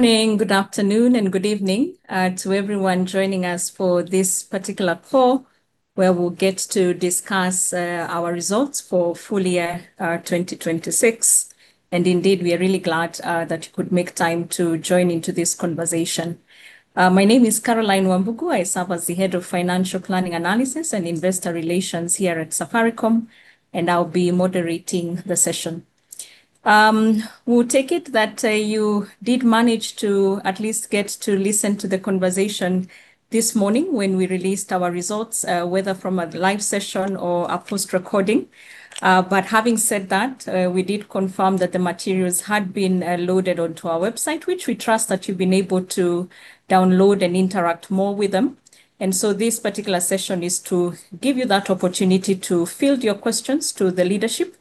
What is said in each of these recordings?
Morning, good afternoon, and good evening to everyone joining us for this particular call where we'll get to discuss our results for full year 2026. Indeed, we are really glad that you could make time to join into this conversation. My name is Caroline Wambugu. I serve as the Head of Financial Planning, Analysis, and Investor Relations here at Safaricom, and I'll be moderating the session. We'll take it that you did manage to at least get to listen to the conversation this morning when we released our results, whether from a live session or a post-recording. Having said that, we did confirm that the materials had been loaded onto our website, which we trust that you've been able to download and interact more with them. This particular session is to give you that opportunity to field your questions to the leadership,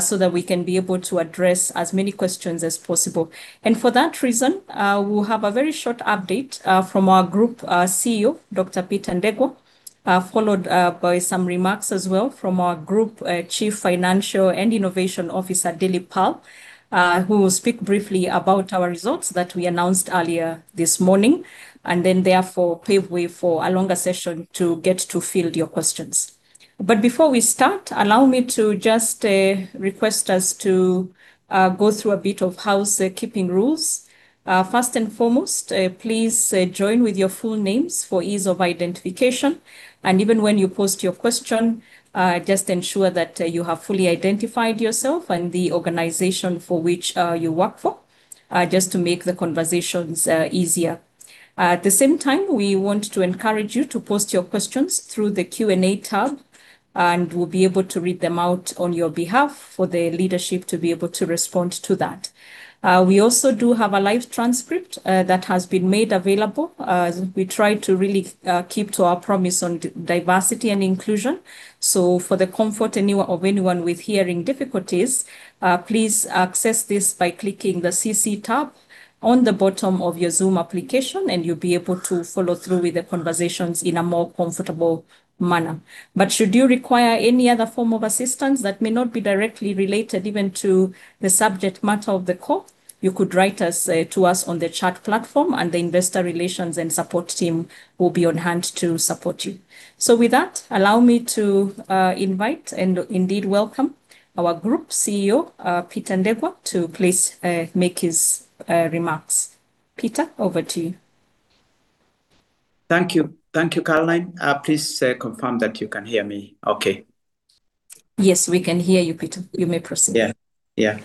so that we can be able to address as many questions as possible. For that reason, we'll have a very short update from our Group CEO, Dr. Peter Ndegwa, followed by some remarks as well from our Group Chief Finance and Innovation Officer, Dilip Pal, who will speak briefly about our results that we announced earlier this morning, and then therefore pave way for a longer session to get to field your questions. Before we start, allow me to just request us to go through a bit of housekeeping rules. First and foremost, please join with your full names for ease of identification. Even when you post your question, just ensure that you have fully identified yourself and the organization for which you work for, just to make the conversations easier. At the same time, we want to encourage you to post your questions through the Q&A tab, and we will be able to read them out on your behalf for the leadership to be able to respond to that. We also do have a live transcript that has been made available. As we try to really keep to our promise on diversity and inclusion. For the comfort of anyone with hearing difficulties, please access this by clicking the CC tab on the bottom of your Zoom application, and you will be able to follow through with the conversations in a more comfortable manner. Should you require any other form of assistance that may not be directly related even to the subject matter of the call, you could write to us on the chat platform, and the investor relations and support team will be on hand to support you. With that, allow me to invite and indeed welcome our Group CEO, Peter Ndegwa, to please make his remarks. Peter, over to you. Thank you. Thank you, Caroline. Please confirm that you can hear me okay. Yes, we can hear you, Peter. You may proceed. Yeah. Yeah.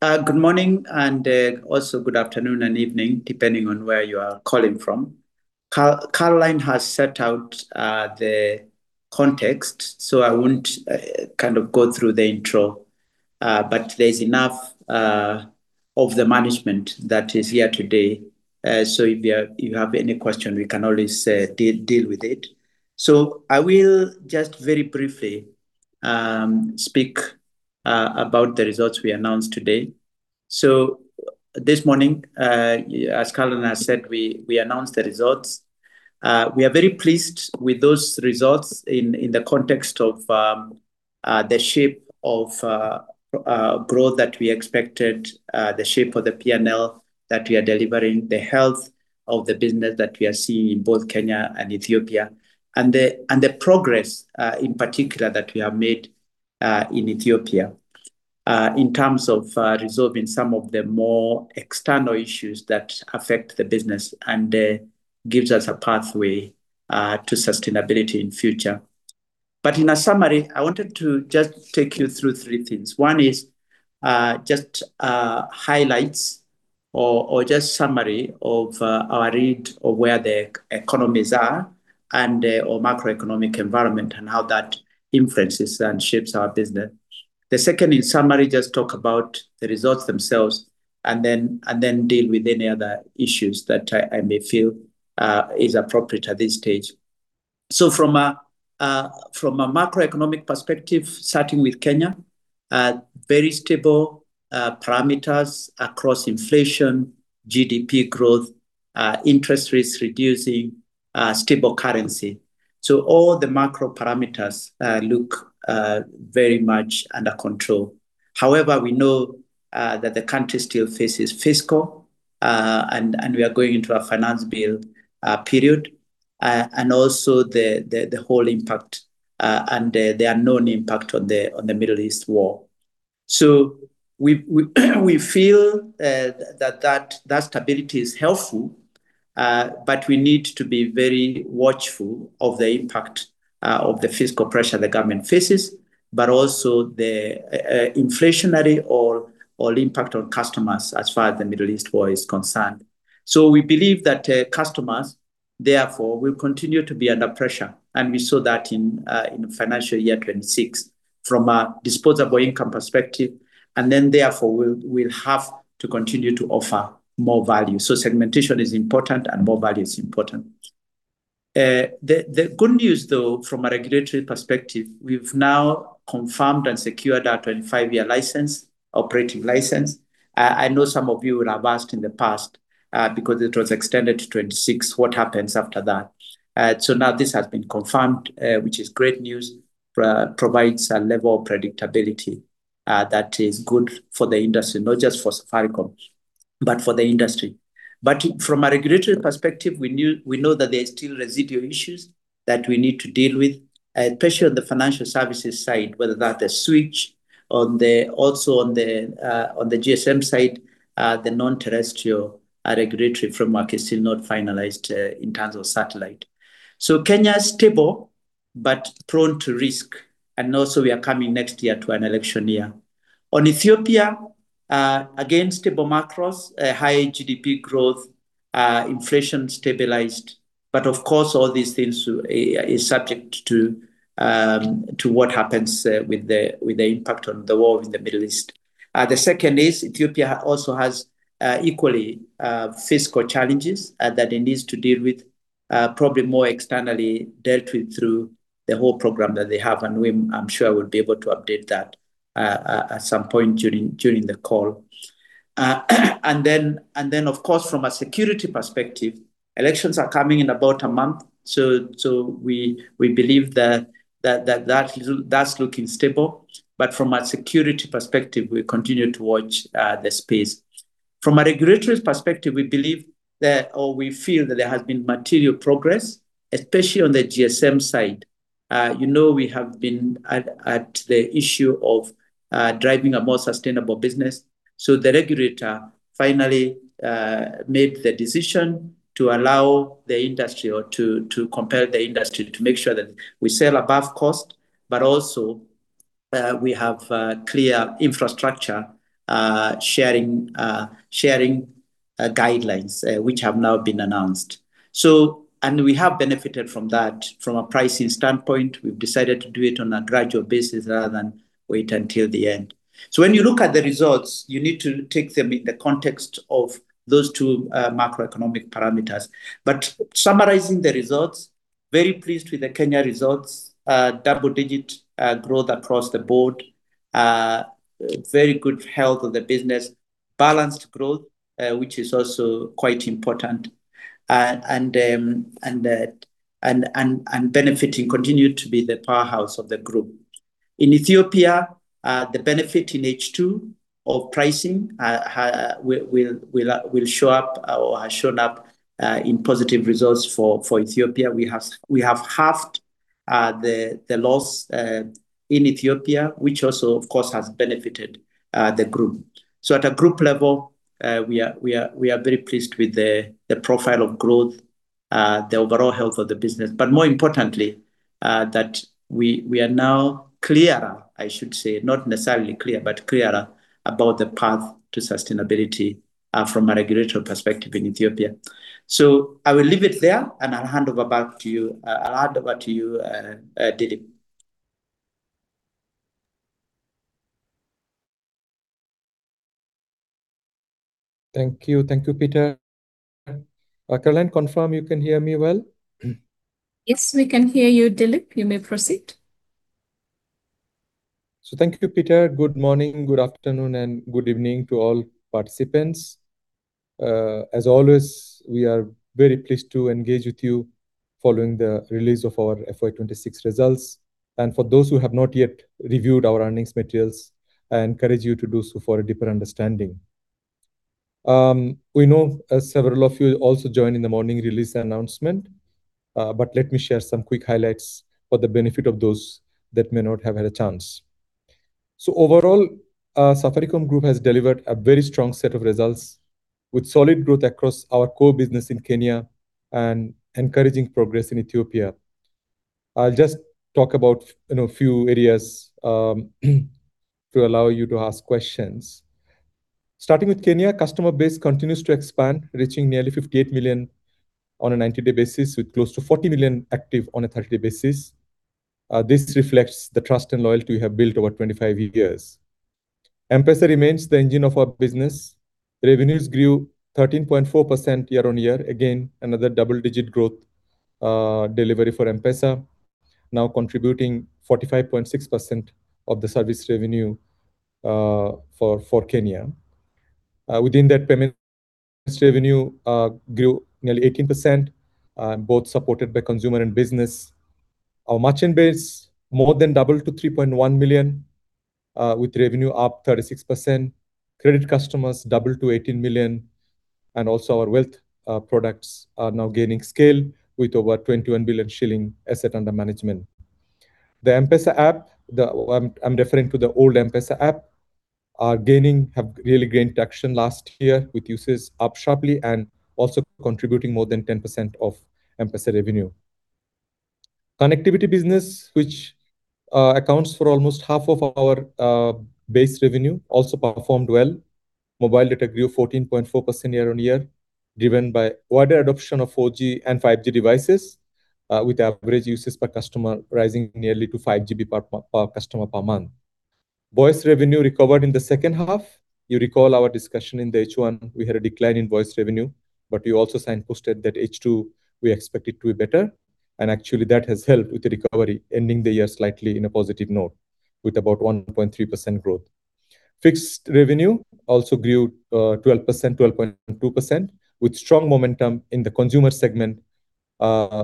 Good morning, and also good afternoon and evening, depending on where you are calling from. Caroline has set out the context, so I won't kind of go through the intro. But there's enough of the management that is here today, so if you have any question, we can always deal with it. I will just very briefly speak about the results we announced today. This morning, as Caroline has said, we announced the results. We are very pleased with those results in the context of the shape of growth that we expected, the shape of the P&L that we are delivering, the health of the business that we are seeing in both Kenya and Ethiopia, and the progress in particular that we have made in Ethiopia in terms of resolving some of the more external issues that affect the business and gives us a pathway to sustainability in future. In a summary, I wanted to just take you through three things. One is just highlights or just summary of our read of where the economies are and or macroeconomic environment and how that influences and shapes our business. The second, in summary, just talk about the results themselves and then deal with any other issues that I may feel is appropriate at this stage. From a macroeconomic perspective, starting with Kenya, very stable parameters across inflation, GDP growth, interest rates reducing, stable currency. All the macro parameters look very much under control. However, we know that the country still faces fiscal and we are going into a Finance Bill period. Also the whole impact and the unknown impact on the Middle East war. We feel that stability is helpful, but we need to be very watchful of the impact of the fiscal pressure the government faces, but also the inflationary impact on customers as far as the Middle East war is concerned. We believe that customers therefore will continue to be under pressure, and we saw that in financial year 2026 from a disposable income perspective. Therefore we'll have to continue to offer more value. Segmentation is important and more value is important. The good news though from a regulatory perspective, we've now confirmed and secured our 25-year license, operating license. I know some of you will have asked in the past because it was extended to 2026, what happens after that? Now this has been confirmed, which is great news. Provides a level of predictability that is good for the industry. Not just for Safaricom, but for the industry. From a regulatory perspective, we know that there are still residual issues that we need to deal with, especially on the financial services side, whether that's Switch or the Also on the GSM side, the non-terrestrial regulatory framework is still not finalized in terms of satellite. Kenya is stable, but prone to risk, and also we are coming next year to an election year. On Ethiopia, again, stable macros. A high GDP growth. Inflation stabilized. Of course, all these things is subject to what happens with the impact on the war in the Middle East. The second is Ethiopia also has equally fiscal challenges that it needs to deal with, probably more externally dealt with through the whole program that they have, and we, I am sure will be able to update that at some point during the call. Then of course, from a security perspective, elections are coming in about a month. We believe that that's looking stable. From a security perspective, we continue to watch the space. From a regulatory perspective, we believe that, or we feel that there has been material progress, especially on the GSM side. You know, we have been at the issue of driving a more sustainable business. The regulator finally made the decision to allow the industry to compel the industry to make sure that we sell above cost, but also, we have clear infrastructure sharing guidelines, which have now been announced. We have benefited from that. From a pricing standpoint, we've decided to do it on a gradual basis rather than wait until the end. When you look at the results, you need to take them in the context of those two macroeconomic parameters. Summarizing the results, very pleased with the Kenya results. Double-digit growth across the board. Very good health of the business. Balanced growth, which is also quite important, and benefiting continued to be the powerhouse of the group. In Ethiopia, the benefit in H2 of pricing will show up or has shown up in positive results for Ethiopia. We have halved the loss in Ethiopia, which also, of course, has benefited the group. At a group level, we are very pleased with the profile of growth, the overall health of the business. More importantly, that we are now clearer, I should say, not necessarily clear, but clearer about the path to sustainability from a regulatory perspective in Ethiopia. I will leave it there, and I'll hand over to you, Dilip. Thank you. Thank you, Peter. Caroline, confirm you can hear me well. Yes, we can hear you, Dilip. You may proceed. Thank you, Peter. Good morning, good afternoon, and good evening to all participants. As always, we are very pleased to engage with you following the release of our FY 2026 results. For those who have not yet reviewed our earnings materials, I encourage you to do so for a deeper understanding. We know, as several of you also joined in the morning release announcement, but let me share some quick highlights for the benefit of those that may not have had a chance. Overall, Safaricom Group has delivered a very strong set of results with solid growth across our core business in Kenya and encouraging progress in Ethiopia. I'll just talk about, you know, a few areas to allow you to ask questions. Starting with Kenya, customer base continues to expand, reaching nearly 58 million on a 90-day basis, with close to 40 million active on a 30-day basis. This reflects the trust and loyalty we have built over 25 years. M-PESA remains the engine of our business. Revenues grew 13.4% year-on-year. Again, another double-digit growth delivery for M-PESA, now contributing 45.6% of the service revenue for Kenya. Within that payment service revenue grew nearly 18%, both supported by consumer and business. Our merchant base more than doubled to 3.1 million, with revenue up 36%. Credit customers doubled to 18 million. Our wealth products are now gaining scale with over 21 billion shilling asset under management. The M-PESA app, I'm referring to the old M-PESA app, have really gained traction last year with usage up sharply and also contributing more than 10% of M-PESA revenue. Connectivity business, which accounts for almost half of our base revenue, also performed well. Mobile data grew 14.4% year-on-year, driven by wider adoption of 4G and 5G devices, with average usage per customer rising nearly to 5 GB per customer per month. Voice revenue recovered in the second half. You recall our discussion in the H1, we had a decline in voice revenue, but you also signposted that H2, we expect it to be better. Actually, that has helped with the recovery, ending the year slightly in a positive note with about 1.3% growth. Fixed revenue also grew 12%-12.2%, with strong momentum in the consumer segment,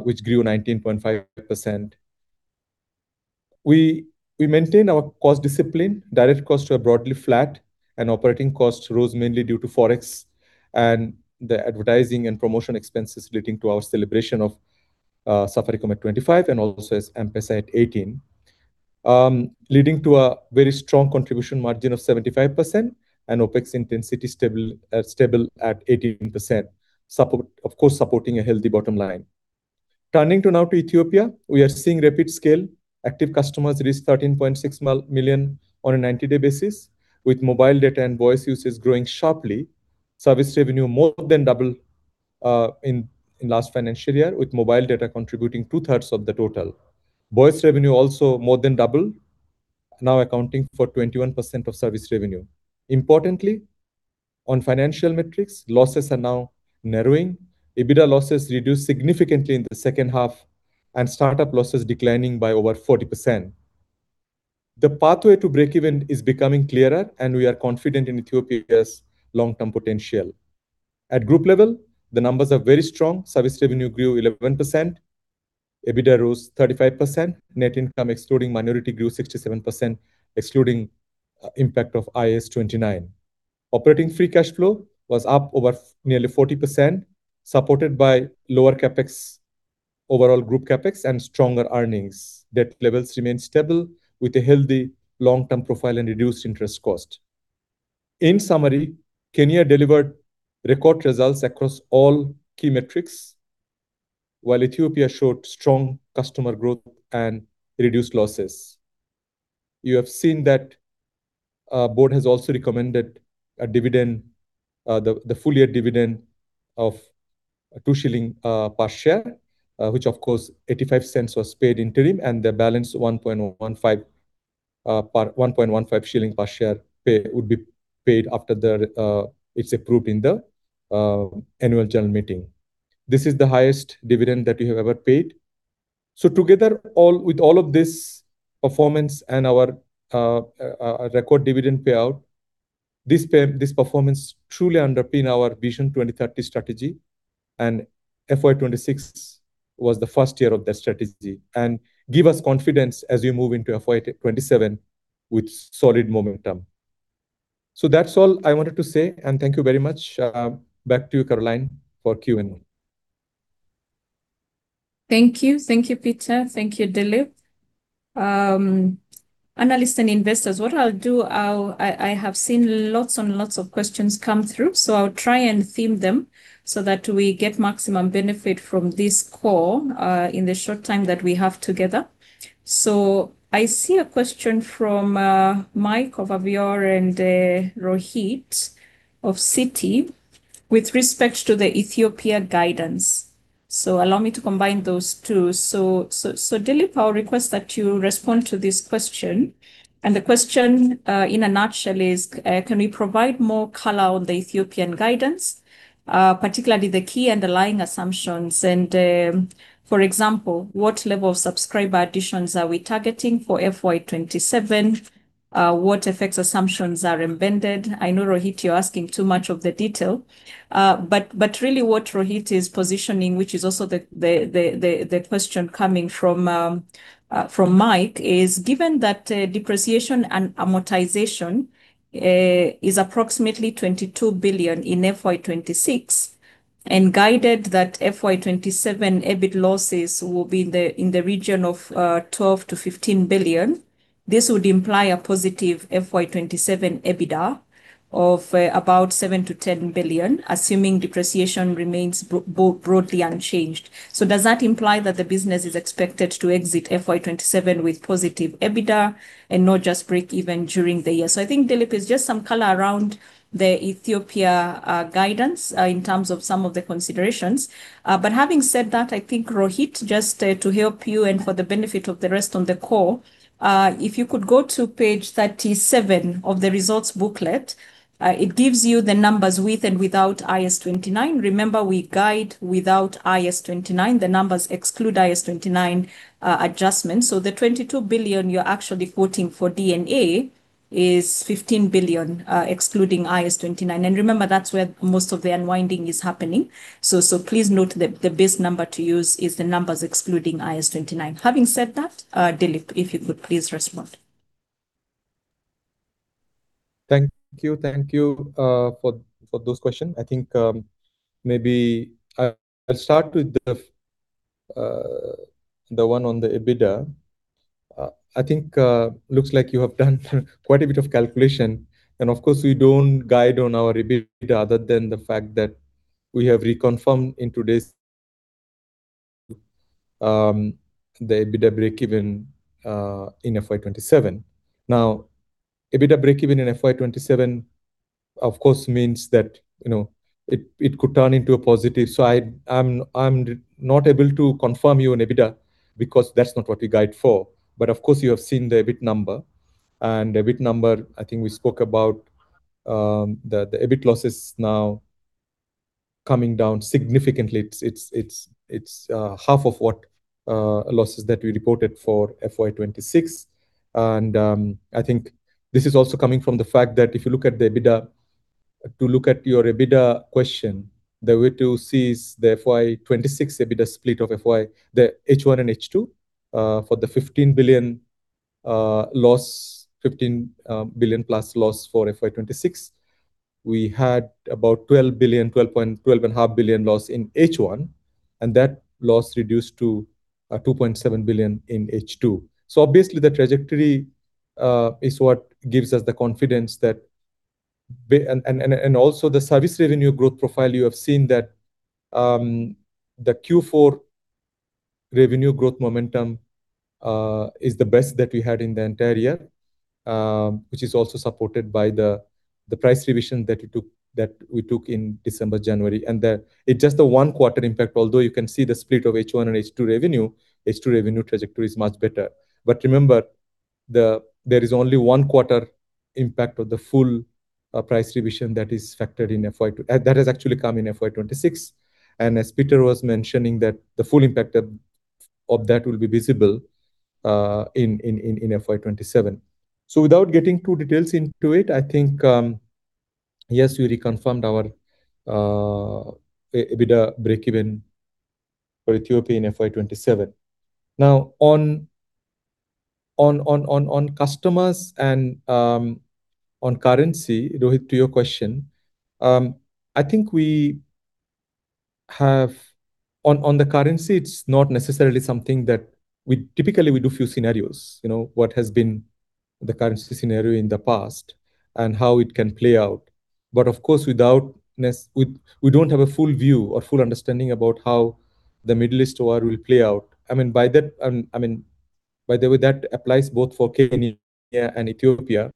which grew 19.5%. We maintain our cost discipline. Direct costs were broadly flat, and operating costs rose mainly due to Forex and the advertising and promotion expenses leading to our celebration of Safaricom at 25 and also as M-PESA at 18. Leading to a very strong contribution margin of 75% and OpEx intensity stable at 18%. Support, of course, supporting a healthy bottom line. Turning to now to Ethiopia, we are seeing rapid scale. Active customers reached 13.6 million on a 90-day basis, with mobile data and Voice usage growing sharply. Service revenue more than double in last financial year, with mobile data contributing two-thirds of the total. Voice revenue also more than double, now accounting for 21% of service revenue. Importantly, on financial metrics, losses are now narrowing. EBITDA losses reduced significantly in the second half, and start-up losses declining by over 40%. The pathway to break even is becoming clearer, and we are confident in Ethiopia's long-term potential. At group level, the numbers are very strong. Service revenue grew 11%. EBITDA rose 35%. Net income excluding minority grew 67%, excluding impact of IAS 29. Operating free cash flow was up over nearly 40%, supported by lower CapEx, overall group CapEx and stronger earnings. Debt levels remain stable with a healthy long-term profile and reduced interest cost. In summary, Kenya delivered record results across all key metrics, while Ethiopia showed strong customer growth and reduced losses. You have seen that our board has also recommended a dividend, the full year dividend of 2 shilling per share. Which of course 0.85 was paid interim, and the balance 1.15 shilling per share pay would be paid after it's approved in the Annual General Meeting. This is the highest dividend that we have ever paid. Together with all of this performance and our record dividend payout, this pay, this performance truly underpin our Vision 2030 strategy and FY 2026 was the first year of that strategy and give us confidence as we move into FY 2027 with solid momentum. That's all I wanted to say, and thank you very much. Back to you, Caroline, for Q&A. Thank you. Thank you, Peter. Thank you, Dilip. Analysts and investors, what I'll do, I have seen lots and lots of questions come through, I'll try and theme them so that we get maximum benefit from this call in the short time that we have together. I see a question from Mike of Avior and Rohit of Citi with respect to the Ethiopia guidance. Allow me to combine those two. Dilip, I'll request that you respond to this question. The question in a nutshell is, can we provide more color on the Ethiopian guidance, particularly the key underlying assumptions and, for example, what level of subscriber additions are we targeting for FY 2027? What FX assumptions are embedded? I know, Rohit, you're asking too much of the detail. Really what Rohit is positioning, which is also the question coming from Mike, is: Given that depreciation and amortization is approximately 22 billion in FY 2026 and guided that FY 2027 EBIT losses will be in the region of 12 billion-15 billion, this would imply a positive FY 2027 EBITDA of about 7 billion-10 billion, assuming depreciation remains broadly unchanged. Does that imply that the business is expected to exit FY 2027 with positive EBITDA and not just break even during the year? I think, Dilip, it's just some color around the Ethiopia guidance in terms of some of the considerations. Having said that, I think, Rohit, just to help you and for the benefit of the rest on the call, if you could go to page 37 of the results booklet, it gives you the numbers with and without IAS 29. Remember, we guide without IAS 29. The numbers exclude IAS 29 adjustments. The 22 billion you're actually quoting for D&A is 15 billion, excluding IAS 29. Remember, that's where most of the unwinding is happening. Please note the base number to use is the numbers excluding IAS 29. Having said that, Dilip, if you could please respond. Thank you. Thank you for those question. I think, maybe I'll start with the one on the EBITDA. I think, looks like you have done quite a bit of calculation. Of course, we don't guide on our EBITDA other than the fact that we have reconfirmed in today's the EBITDA breakeven in FY 2027. EBITDA breakeven in FY 2027, of course, means that, you know, it could turn into a positive. I'm not able to confirm you on EBITDA because that's not what we guide for. Of course, you have seen the EBIT number. The EBIT number, I think we spoke about, the EBIT loss is now coming down significantly. It's half of what losses that we reported for FY 2026. I think this is also coming from the fact that if you look at the EBITDA, to look at your EBITDA question, the way to see is the FY 2026 EBITDA split of the H1 and H2 for the 15 billion loss, 15 billion+ loss for FY 2026. We had about 12 billion-12.5 billion loss in H1, and that loss reduced to 2.7 billion in H2. Obviously the trajectory is what gives us the confidence that, and also the service revenue growth profile you have seen that the Q4 revenue growth momentum is the best that we had in the entire year, which is also supported by the price revision that we took, that we took in December, January. It's just the one quarter impact. Although, you can see the split of H1 and H2 revenue, H2 revenue trajectory is much better. Remember there is only one quarter impact of the full price revision that has actually come in FY 2026. As Peter was mentioning that the full impact of that will be visible in FY 2027. Without getting too details into it, I think, yes, we reconfirmed our EBITDA breakeven for Ethiopia in FY 2027. Now, on customers and on currency, Rohit, to your question, I think we have, on the currency, it's not necessarily something that we typically, we do few scenarios. You know, what has been the currency scenario in the past and how it can play out. Of course, without, we don't have a full view or full understanding about how the Middle East war will play out. I mean, by that, I mean, by the way, that applies both for Kenya and Ethiopia.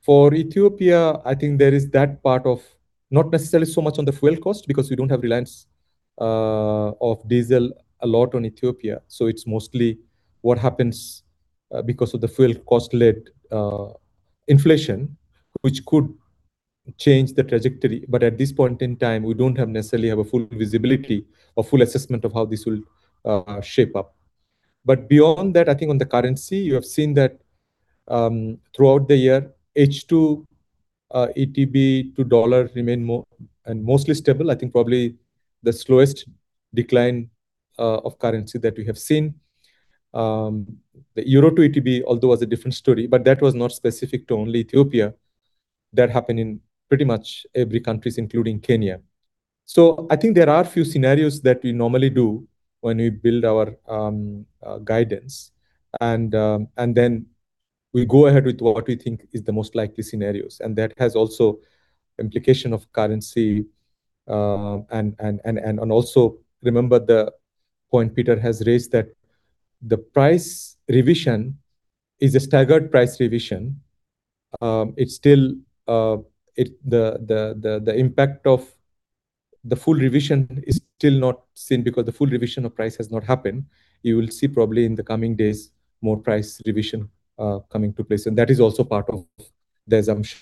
For Ethiopia, I think there is that part of not necessarily so much on the fuel cost because we don't have reliance of diesel a lot on Ethiopia. It's mostly what happens because of the fuel cost-led inflation, which could change the trajectory. At this point in time, we don't necessarily have a full visibility or full assessment of how this will shape up. Beyond that, I think on the currency, you have seen that throughout the year, H2, ETB to USD remain more and mostly stable. I think probably the slowest decline of currency that we have seen. The EUR to ETB although was a different story. That was not specific to only Ethiopia. That happened in pretty much every countries, including Kenya. I think there are a few scenarios that we normally do when we build our guidance and then we go ahead with what we think is the most likely scenarios, and that has also implication of currency. And also remember the point Peter has raised that the price revision is a staggered price revision. It's still, the impact of the full revision is still not seen because the full revision of price has not happened. You will see probably in the coming days more price revision coming to place, and that is also part of the assumption.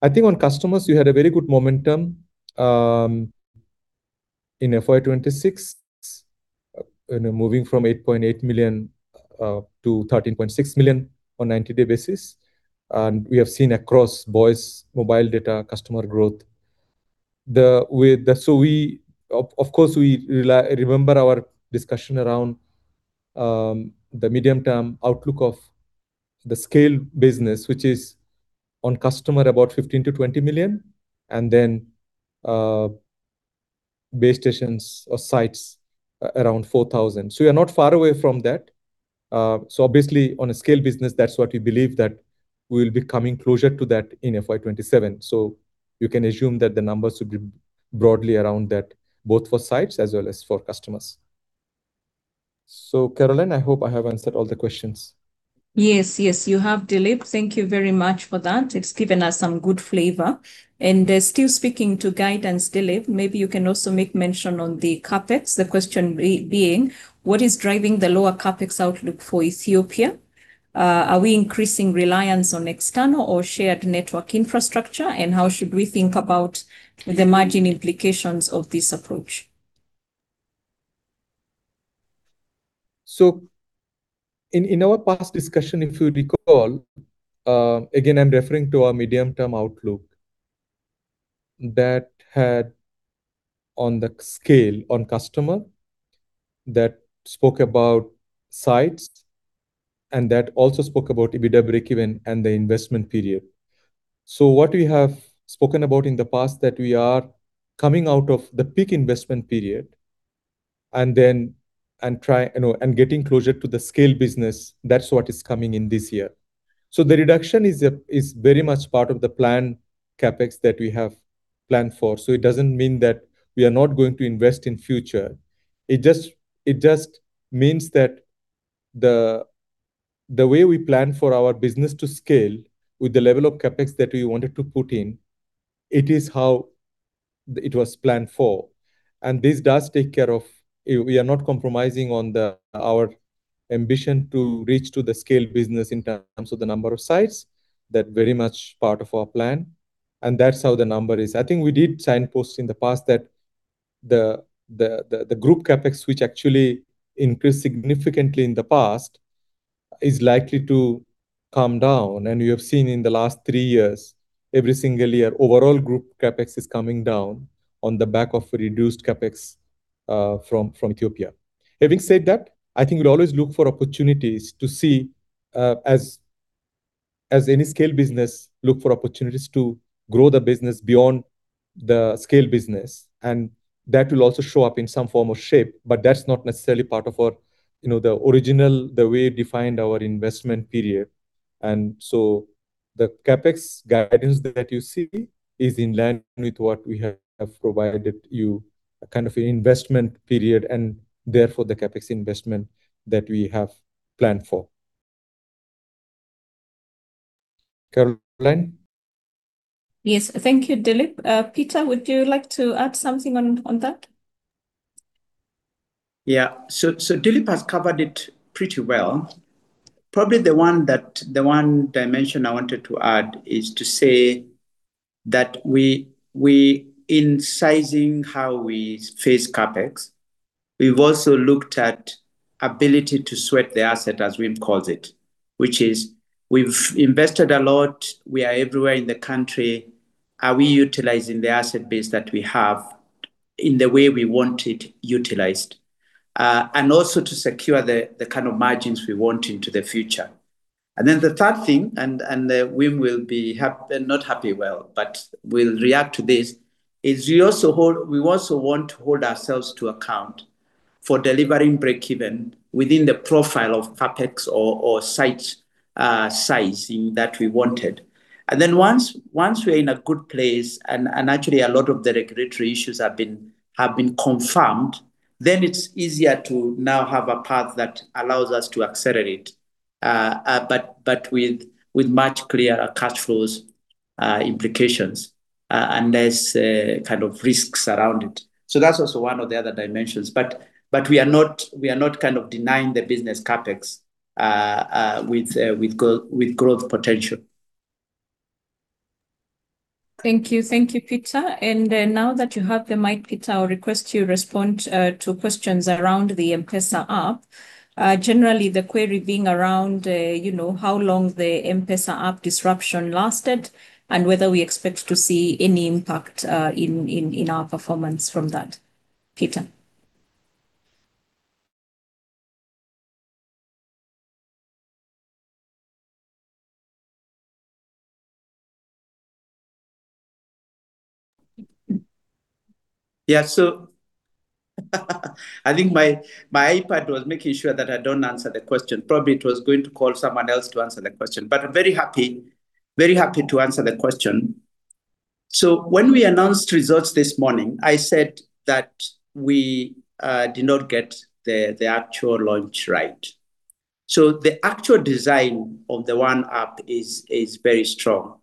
I think on customers, we had a very good momentum in FY 2026, you know, moving from 8.8 million to 13.6 million on 90-day basis. We have seen across Voice, mobile data, customer growth. So we, of course, we rely, remember our discussion around the medium-term outlook of the scale business, which is on customer about 15 million-20 million, and then base stations or sites around 4,000. We are not far away from that. Obviously on a scale business, that's what we believe that we'll be coming closer to that in FY 2027. You can assume that the numbers would be broadly around that, both for sites as well as for customers. Caroline, I hope I have answered all the questions. Yes, yes, you have, Dilip. Thank you very much for that. It's given us some good flavor. Still speaking to guidance, Dilip, maybe you can also make mention on the CapEx. The question being: What is driving the lower CapEx outlook for Ethiopia? Are we increasing reliance on external or shared network infrastructure? How should we think about the margin implications of this approach? In our past discussion, if you recall, again, I'm referring to our medium-term outlook that had on the scale on customer, that spoke about sites and that also spoke about EBITDA breakeven and the investment period. What we have spoken about in the past that we are coming out of the peak investment period and then, you know, getting closer to the scale business, that's what is coming in this year. The reduction is very much part of the planned CapEx that we have planned for. It doesn't mean that we are not going to invest in future. It just means that the way we plan for our business to scale with the level of CapEx that we wanted to put in, it is how it was planned for. This does take care of, we are not compromising on our ambition to reach to the scale business in terms of the number of sites, that very much part of our plan, and that's how the number is. I think we did signpost in the past that the group CapEx, which actually increased significantly in the past, is likely to come down. You have seen in the last three years, every single year, overall group CapEx is coming down on the back of reduced CapEx from Ethiopia. Having said that, I think we'll always look for opportunities to see as any scale business look for opportunities to grow the business beyond the scale business, and that will also show up in some form or shape. That's not necessarily part of our, you know, the original, the way we defined our investment period. The CapEx guidance that you see is in line with what we have provided you, a kind of an investment period and therefore the CapEx investment that we have planned for. Caroline? Yes. Thank you, Dilip. Peter, would you like to add something on that? Yeah. Dilip has covered it pretty well. Probably the one dimension I wanted to add is to say that we in sizing how we face CapEx, we've also looked at ability to sweat the asset as Wim calls it. Which is we've invested a lot, we are everywhere in the country. Are we utilizing the asset base that we have in the way we want it utilized? Also to secure the kind of margins we want into the future. The third thing, Wim will be happy, not happy, well, but will react to this, is we also want to hold ourselves to account for delivering breakeven within the profile of CapEx or site sizing that we wanted. Once we're in a good place and actually a lot of the regulatory issues have been confirmed, then it's easier to now have a path that allows us to accelerate. But with much clearer cash flows, implications, and less kind of risks around it. That's also one of the other dimensions, but we are not, kind of, denying the business CapEx with growth potential. Thank you. Thank you, Peter. Now that you have the mic, Peter, I will request you respond to questions around the M-PESA app. Generally the query being around, you know, how long the M-PESA app disruption lasted and whether we expect to see any impact in our performance from that. Peter? I think my iPad was making sure that I don't answer the question. Probably it was going to call someone else to answer the question. But I'm very happy, very happy to answer the question. When we announced results this morning, I said that we did not get the actual launch right. The actual design of the OneApp is very strong,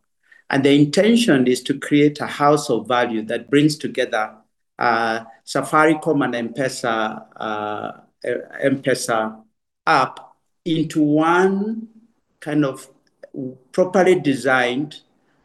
and the intention is to create a house of value that brings together Safaricom and M-PESA app into one kind of properly designed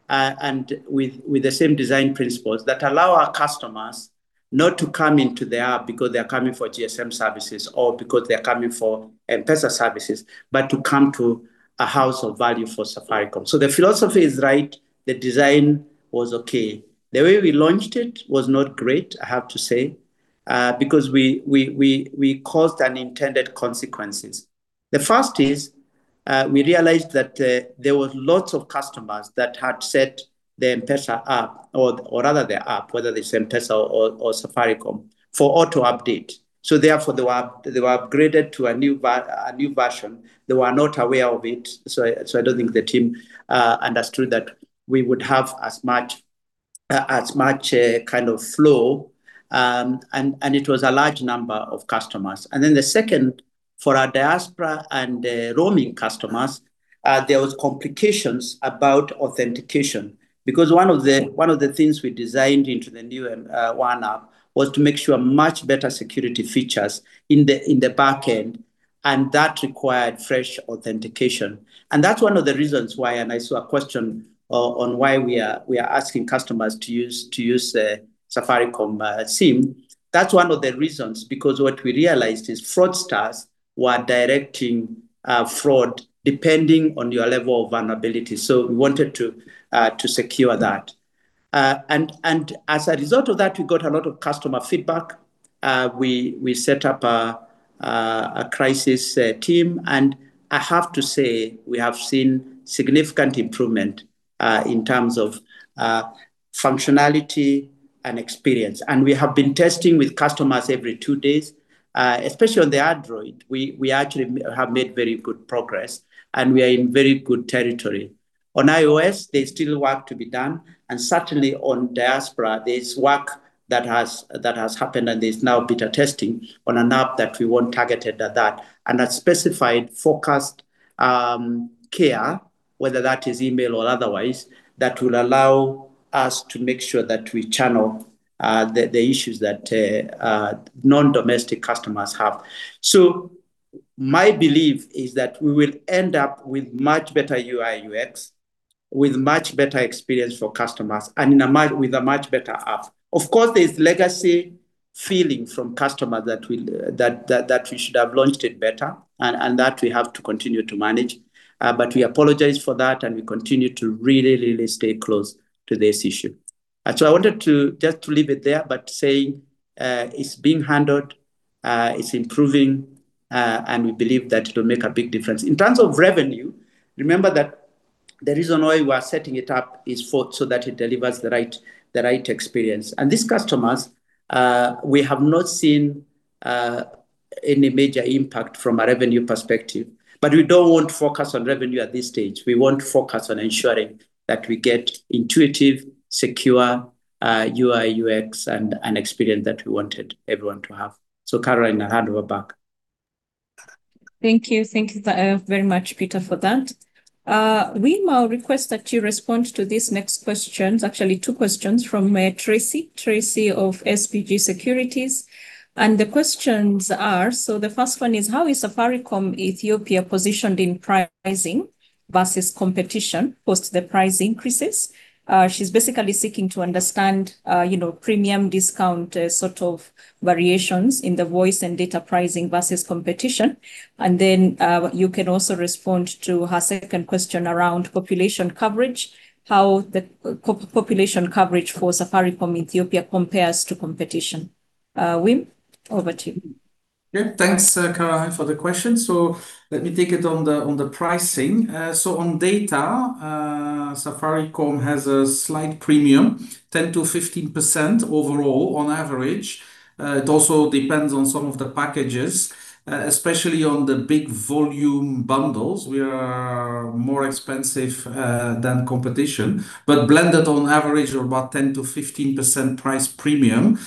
and with the same design principles that allow our customers not to come into the app because they're coming for GSM services or because they're coming for M-PESA services, but to come to a house of value for Safaricom. The philosophy is right, the design was okay. The way we launched it was not great, I have to say, because we caused unintended consequences. The first is, we realized that there were lots of customers that had set their M-PESA app or rather their app, whether it's M-PESA or Safaricom, for auto-update. Therefore they were upgraded to a new version. They were not aware of it, so I don't think the team understood that we would have as much kind of flow. It was a large number of customers. Then the second, for our diaspora and roaming customers, there was complications about authentication. Because one of the things we designed into the new OneApp was to make sure much better security features in the back end, and that required fresh authentication. That's one of the reasons why, and I saw a question on why we are asking customers to use a Safaricom SIM. That's one of the reasons because what we realized is fraudsters were directing fraud depending on your level of vulnerability. So we wanted to secure that. As a result of that, we got a lot of customer feedback. We set up a crisis team and I have to say, we have seen significant improvement in terms of functionality and experience. We have been testing with customers every two days. Especially on the Android, we actually have made very good progress, and we are in very good territory. On iOS, there's still work to be done, and certainly on diaspora, there's work that has happened, and there's now beta testing on an app that we want targeted at that and a specified focused care, whether that is email or otherwise, that will allow us to make sure that we channel the issues that non-domestic customers have. My belief is that we will end up with much better UI, UX, with much better experience for customers and in a much, with a much better app. Of course, there is legacy feeling from customers that we should have launched it better and that we have to continue to manage. We apologize for that, and we continue to really stay close to this issue. I wanted to just to leave it there but saying, it's being handled, it's improving, and we believe that it'll make a big difference. In terms of revenue, remember that the reason why we are setting it up is for so that it delivers the right experience. These customers, we have not seen any major impact from a revenue perspective. We don't want to focus on revenue at this stage. We want to focus on ensuring that we get intuitive, secure, UI, UX and an experience that we wanted everyone to have. Caroline, I hand over back. Thank you. Thank you, very much, Peter, for that. Wim, I'll request that you respond to these next questions. Actually, two questions from Tracy. Tracy of SBG Securities. The questions are. So the first one is, how is Safaricom Ethiopia positioned in pricing versus competition post the price increases? She's basically seeking to understand, you know, premium discount, sort of variations in the Voice and data pricing versus competition. You can also respond to her second question around population coverage. How the population coverage for Safaricom Ethiopia compares to competition. Wim, over to you. Thanks, Caroline, for the question. Let me take it on the pricing. On data, Safaricom has a slight premium, 10%-15% overall on average. It also depends on some of the packages, especially on the big volume bundles. We are more expensive than competition. Blended on average of about 10%-15% price premium.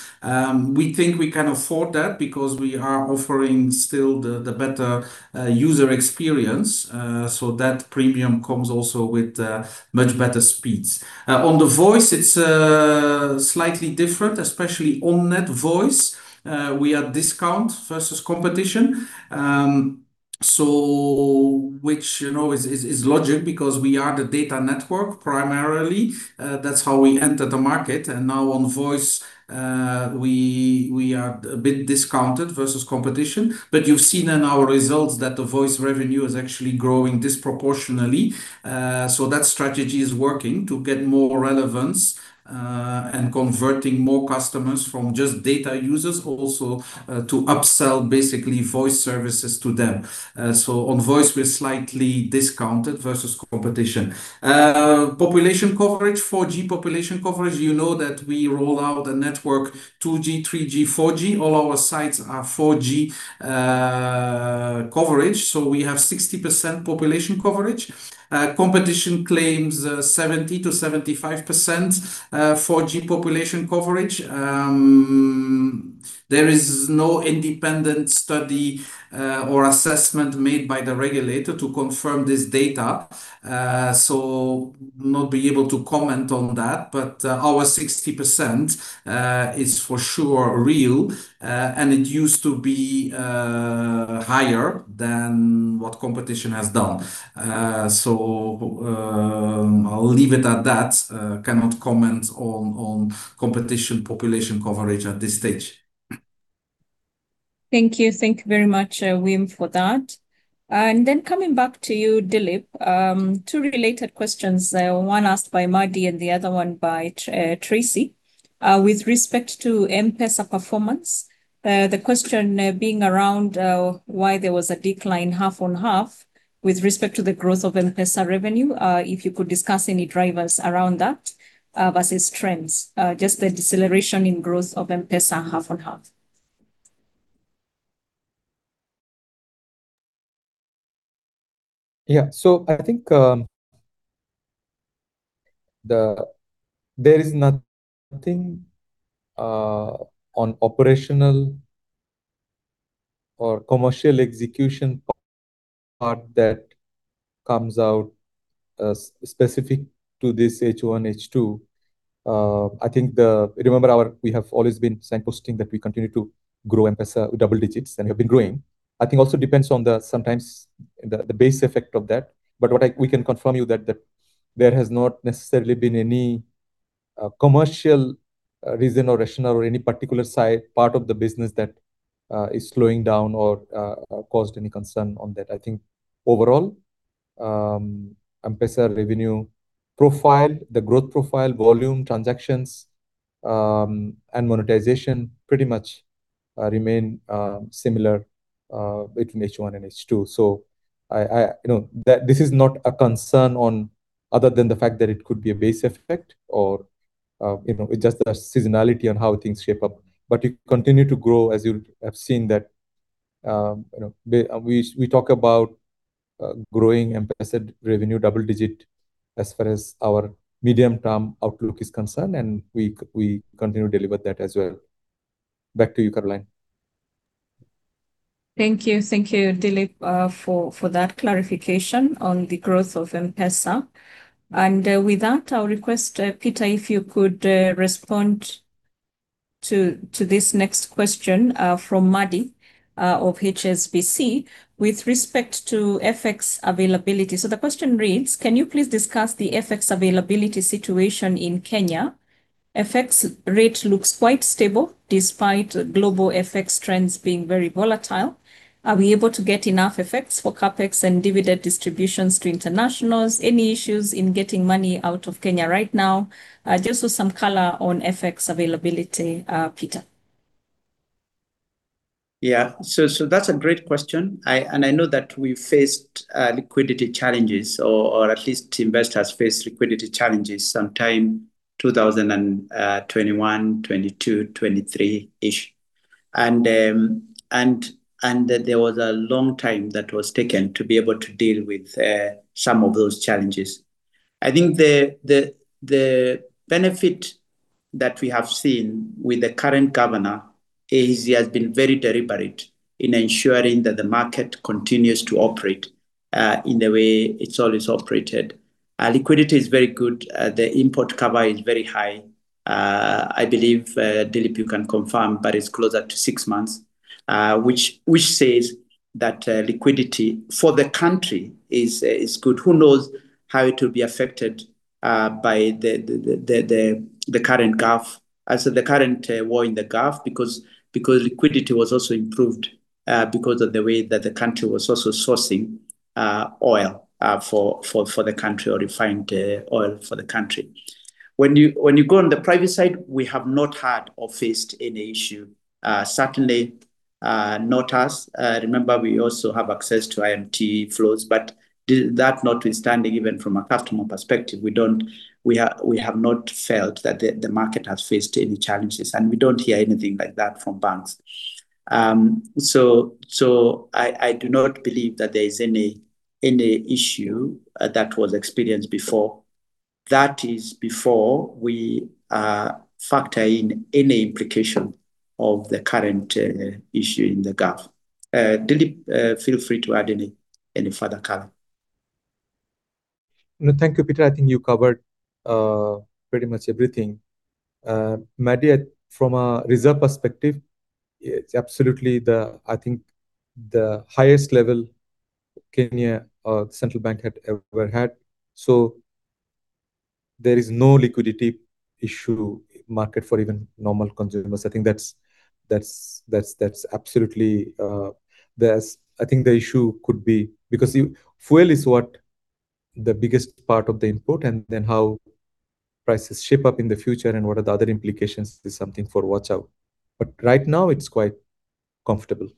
We think we can afford that because we are offering still the better user experience. That premium comes also with much better speeds. On the voice, it's slightly different, especially on net voice. We are discount versus competition. Which, you know, is logic because we are the data network primarily. That's how we entered the market. And now on voice, we are a bit discounted versus competition. But you've seen in our results that the voice revenue is actually growing disproportionately. That strategy is working to get more relevance and converting more customers from just data users also to upsell basically voice services to them. On voice, we're slightly discounted versus competition. Population coverage, 4G population coverage, you know that we roll out a network 2G, 3G, 4G. All our sites are 4G coverage. So we have 60% population coverage. Competition claims 70%-75% 4G population coverage. There is no independent study or assessment made by the regulator to confirm this data, not be able to comment on that. But our 60% is for sure real, and it used to be higher than what competition has done. I'll leave it at that. Cannot comment on competition population coverage at this stage. Thank you. Thank you very much, Wim, for that. Coming back to you, Dilip, two related questions. One asked by Madhi and the other one by Tracy. With respect to M-PESA performance, the question being around why there was a decline half on half with respect to the growth of M-PESA revenue. If you could discuss any drivers around that versus trends. Just the deceleration in growth of M-PESA half on half. Yesh. So I think there is nothing on operational or commercial execution part that comes out specific to this H1, H2. I think we have always been signposting that we continue to grow M-PESA double-digits and have been growing. I think also depends on sometimes the base effect of that. We can confirm you that there has not necessarily been any commercial reason or rationale or any particular side, part of the business that is slowing down or caused any concern on that. I think overall, M-PESA revenue profile, the growth profile, volume, transactions, and monetization pretty much remain similar between H1 and H2. I, you know, this is not a concern on other than the fact that it could be a base effect or, you know, it is just a seasonality on how things shape up. We continue to grow, as you have seen that, you know, we talk about growing M-PESA revenue double-digit as far as our medium-term outlook is concerned, and we continue to deliver that as well. Back to you, Caroline. Thank you. Thank you, Dilip, for that clarification on the growth of M-PESA. With that, I'll request Peter, if you could respond to this next question from Madhi of HSBC with respect to FX availability. The question reads: Can you please discuss the FX availability situation in Kenya? FX rate looks quite stable despite global FX trends being very volatile. Are we able to get enough FX for CapEx and dividend distributions to internationals? Any issues in getting money out of Kenya right now? Just for some color on FX availability, Peter. That's a great question. I know that we faced liquidity challenges or at least investors faced liquidity challenges sometime 2021, 2022, 2023-ish. There was a long time that was taken to be able to deal with some of those challenges. I think the benefit that we have seen with the current Governor is he has been very deliberate in ensuring that the market continues to operate in the way it's always operated. Liquidity is very good. The import cover is very high. I believe Dilip, you can confirm, but it's closer to six months. Which says that liquidity for the country is good. Who knows how it will be affected by the current war in the Gulf because liquidity was also improved because of the way that the country was also sourcing oil for the country or refined oil for the country. When you go on the private side, we have not had or faced any issue. Certainly, not us. Remember, we also have access to IMT flows. That notwithstanding, even from a customer perspective, we have not felt that the market has faced any challenges, and we don't hear anything like that from banks. I do not believe that there is any issue that was experienced before. That is before we factor in any implication of the current issue in the Gulf. Dilip, feel free to add any further color. No, thank you, Peter. I think you covered pretty much everything. Madhi, from a reserve perspective, it's absolutely the, I think the highest level Kenya or Central Bank had ever had. There is no liquidity issue market for even normal consumers. I think that's absolutely, there's I think the issue could be because fuel is what the biggest part of the input and then how prices shape up in the future and what are the other implications is something for watch out. Right now it's quite comfortable.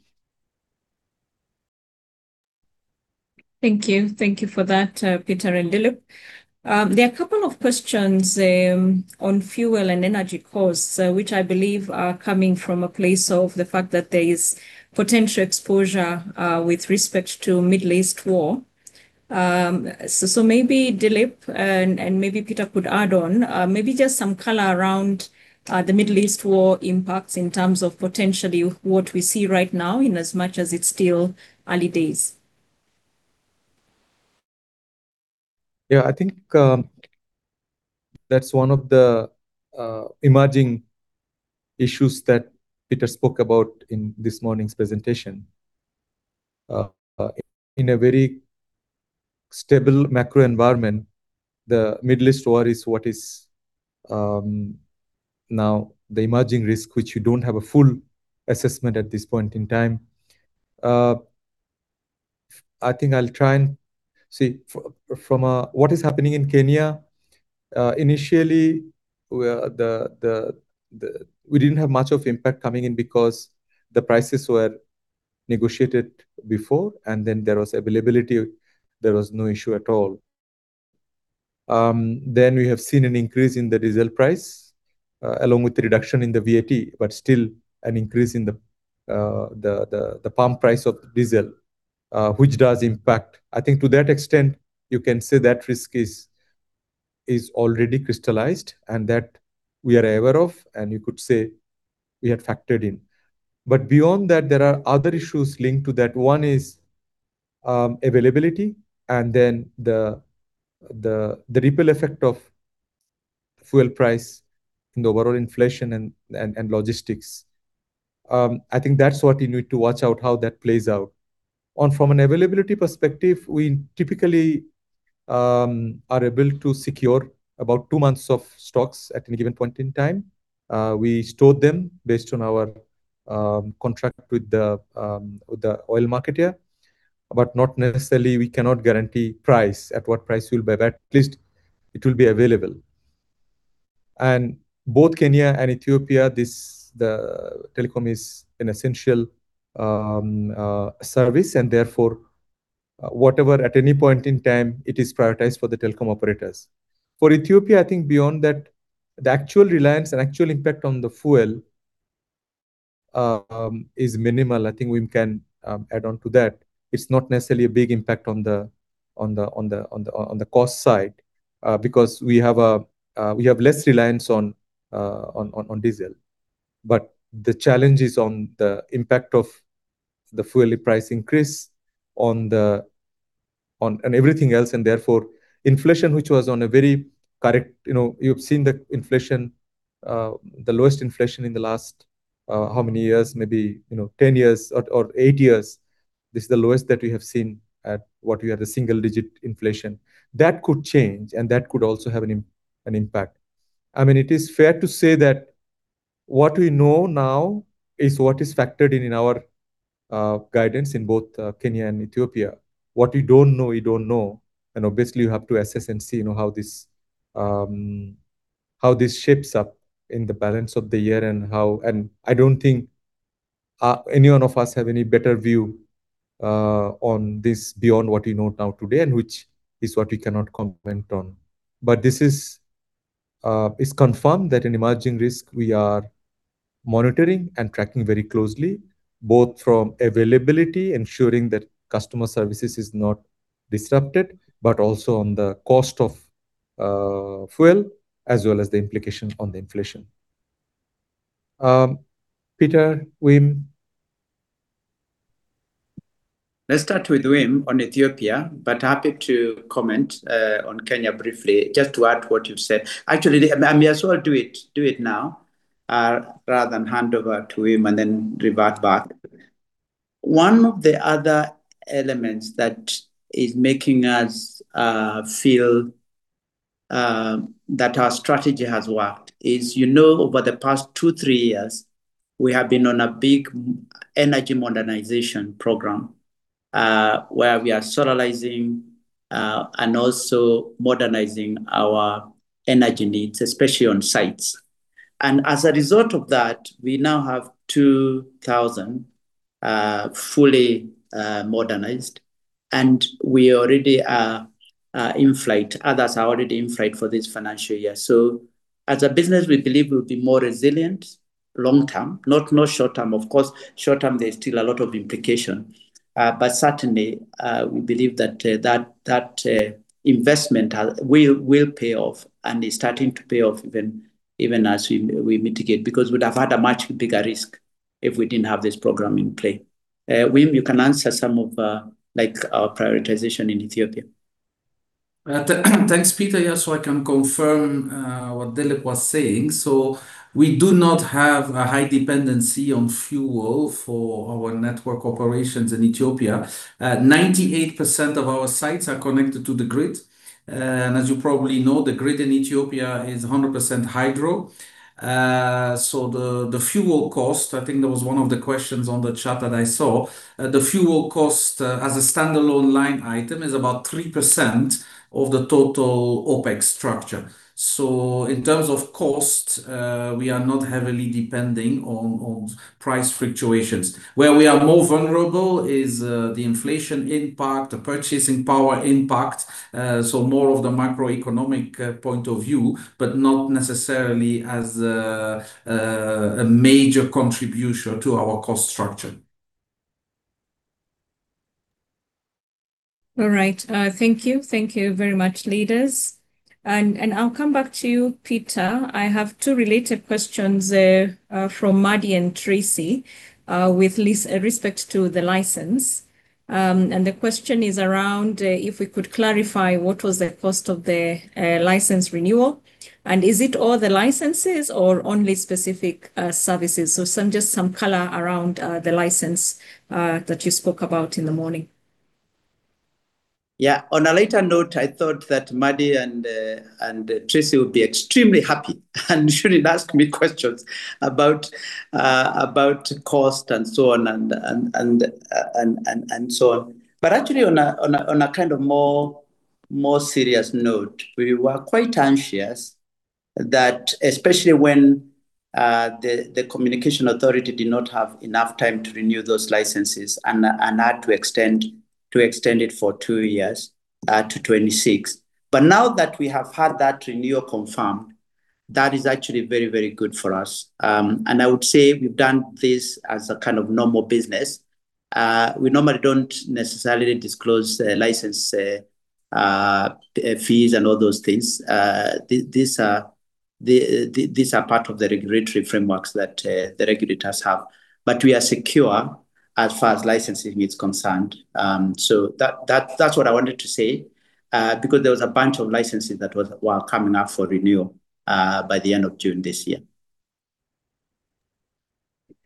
Thank you. Thank you for that, Peter and Dilip. There are a couple of questions on fuel and energy costs, which I believe are coming from a place of the fact that there is potential exposure with respect to Middle East war. Maybe Dilip and maybe Peter could add on just some color around the Middle East war impacts in terms of potentially what we see right now in as much as it's still early days. I think that's one of the emerging issues that Peter spoke about in this morning's presentation. In a very stable macro environment, the Middle East war is what is now the emerging risk, which you don't have a full assessment at this point in time. I think I'll try and see from what is happening in Kenya. Initially, we didn't have much of impact coming in because the prices were negotiated before, and then there was availability. There was no issue at all. We have seen an increase in the diesel price, along with the reduction in the VAT, but still an increase in the pump price of diesel, which does impact. I think to that extent, you can say that risk is already crystallized and that we are aware of, and you could say we had factored in. Beyond that, there are other issues linked to that. One is availability and then the ripple effect of fuel price and the overall inflation and logistics. I think that's what you need to watch out how that plays out. From an availability perspective, we typically are able to secure about two months of stocks at any given point in time. We store them based on our contract with the oil marketeer. Not necessarily, we cannot guarantee price, at what price you'll buy back. At least it will be available. Both Kenya and Ethiopia, this, the telecom is an essential service and therefore, whatever at any point in time, it is prioritized for the telecom operators. For Ethiopia, I think beyond that, the actual reliance and actual impact on the fuel is minimal. I think we can add on to that. It's not necessarily a big impact on the cost side because we have a less reliance on diesel. The challenge is on the impact of the fuel price increase on and everything else, and therefore inflation, which was on a very correct, you know, you've seen the inflation, the lowest inflation in the last how many years? Maybe, you know, 10 years or eight years. This is the lowest that we have seen at what we had a single-digit inflation. That could change, and that could also have an impact. I mean, it is fair to say that what we know now is what is factored in our guidance in both Kenya and Ethiopia. What we don't know, we don't know, and obviously you have to assess and see, you know, how this shapes up in the balance of the year. I don't think any one of us have any better view on this beyond what we know now today, and which is what we cannot comment on. This is confirmed that an emerging risk we are monitoring and tracking very closely, both from availability, ensuring that customer services is not disrupted, but also on the cost of fuel, as well as the implication on the inflation. Peter, Wim? Let's start with Wim on Ethiopia, but happy to comment on Kenya briefly just to add what you've said. Actually, may as well do it, do it now, rather than hand over to Wim and then revert back. One of the other elements that is making us feel that our strategy has worked is, you know, over the past two, three years, we have been on a big energy modernization program, where we are solarizing and also modernizing our energy needs, especially on sites. As a result of that, we now have 2,000 fully modernized, and we already are in flight. Others are already in flight for this financial year. As a business, we believe we'll be more resilient long term. Not short term. Of course, short term there's still a lot of implication. Certainly, we believe that investment will pay off and is starting to pay off even as we mitigate. Because we'd have had a much bigger risk if we didn't have this program in play. Wim, you can answer some of like our prioritization in Ethiopia. Thanks, Peter. Yes, I can confirm what Dilip was saying. We do not have a high dependency on fuel for our network operations in Ethiopia. 98% of our sites are connected to the grid. As you probably know, the grid in Ethiopia is 100% hydro. The fuel cost, I think that was one of the questions on the chat that I saw. The fuel cost, as a standalone line item is about 3% of the total OpEx structure. In terms of cost, we are not heavily depending on price fluctuations. Where we are more vulnerable is the inflation impact, the purchasing power impact. So more of the macroeconomic point of view, not necessarily as a major contribution to our cost structure. All right. Thank you. Thank you very much, leaders. I'll come back to you, Peter. I have two related questions from Madhi and Tracy with respect to the license. The question is around if we could clarify what was the cost of the license renewal, and is it all the licenses or only specific services? So some, just some color around the license that you spoke about in the morning. Yeah. On a later note, I thought that Madhi and Tracy would be extremely happy and shouldn't ask me questions about cost and so on, and so on. Actually on a kind of more serious note, we were quite anxious that especially when the Communication Authority did not have enough time to renew those licenses and had to extend it for two years, to 2026. Now that we have had that renewal confirmed, that is actually very, very good for us. I would say we've done this as a kind of normal business. We normally don't necessarily disclose license fees and all those things. These are part of the regulatory frameworks that the regulators have. We are secure as far as licensing is concerned. That's what I wanted to say because there was a bunch of licenses that were coming up for renewal by the end of June this year.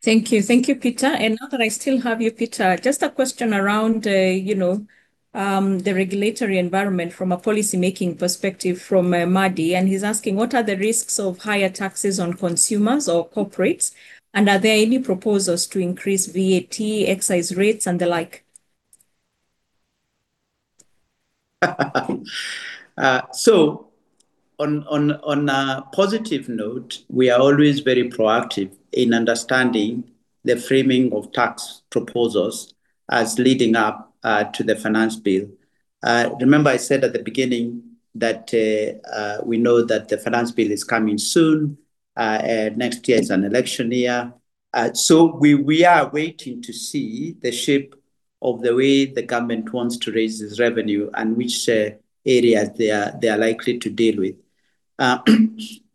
Thank you. Thank you, Peter. Now that I still have you, Peter, just a question around, you know, the regulatory environment from a policymaking perspective from Madhi. He's asking: What are the risks of higher taxes on consumers or corporates? Are there any proposals to increase VAT, excise rates, and the like? On a positive note, we are always very proactive in understanding the framing of tax proposals as leading up to the Finance Bill. Remember I said at the beginning that we know that the Finance Bill is coming soon. Next year is an election year. We are waiting to see the shape of the way the government wants to raise its revenue and which areas they are likely to deal with.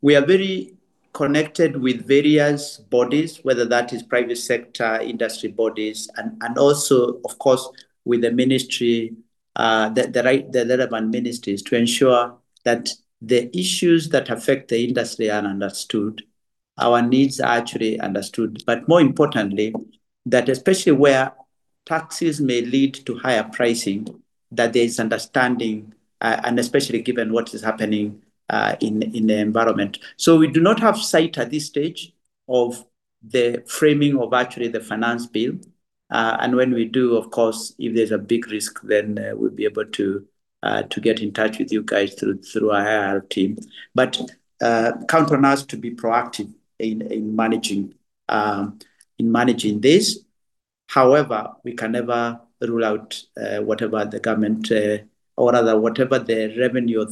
We are very connected with various bodies, whether that is private sector, industry bodies and also of course with the ministry, the relevant ministries to ensure that the issues that affect the industry are understood, our needs are actually understood. More importantly, that especially where taxes may lead to higher pricing, that there is understanding, and especially given what is happening in the environment. We do not have sight at this stage of the framing of actually the Finance Bill. When we do, of course, if there's a big risk, then we'll be able to get in touch with you guys through our IR team. Count on us to be proactive in managing this. However, we can never rule out whatever the government, or rather whatever the revenue or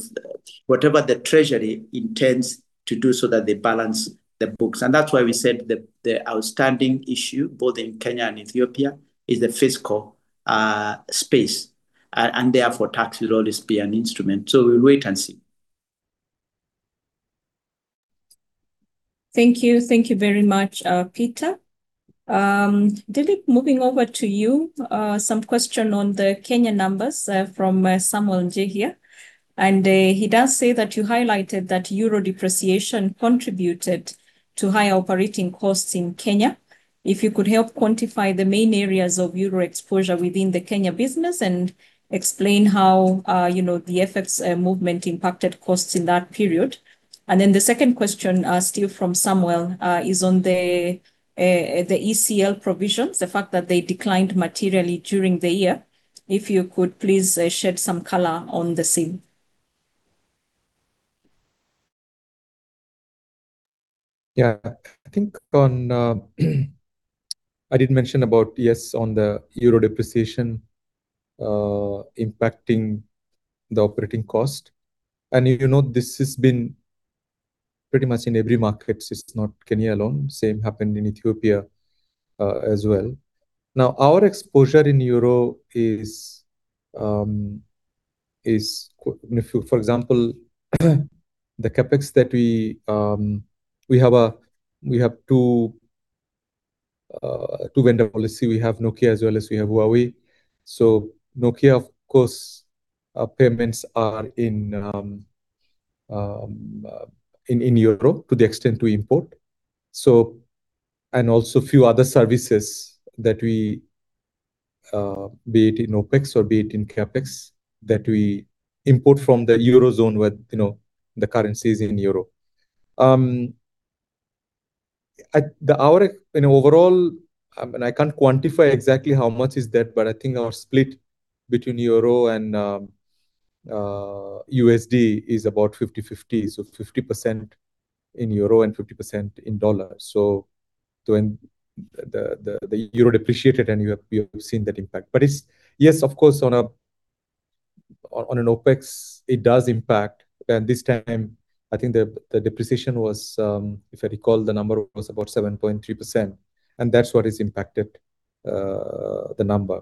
whatever the treasury intends to do so that they balance the books. That's why we said the outstanding issue, both in Kenya and Ethiopia, is the fiscal space. Therefore tax will always be an instrument. We'll wait and see. Thank you. Thank you very much, Peter. Dilip, moving over to you. Some question on the Kenya numbers from Samuel Njihia. He does say that you highlighted that euro depreciation contributed to higher operating costs in Kenya. If you could help quantify the main areas of euro exposure within the Kenya business and explain how, you know, the FX movement impacted costs in that period. The second question, still from Samuel, is on the ECL provisions, the fact that they declined materially during the year. If you could please shed some color on the same. Yeah. I think on, I did mention about, yes, on the euro depreciation, impacting the operating cost. You know this has been pretty much in every market. It's not Kenya alone. Same happened in Ethiopia as well. Our exposure in euro is, if you, for example, the CapEx that we have two vendor policy. We have Nokia as well as we have Huawei. Nokia, of course, payments are in euro to the extent we import. Also few other services that we, be it in OpEx or be it in CapEx, that we import from the eurozone where, you know, the currency is in euro. At the hour, you know, overall, I can't quantify exactly how much is that, but I think our split between euro and USD is about 50/50. 50% in euro and 50% in dollar. When the euro depreciated and you have, you've seen that impact. It's, yes, of course, on an OpEx, it does impact. This time I think the depreciation was, if I recall, the number was about 7.3%, and that's what has impacted the number.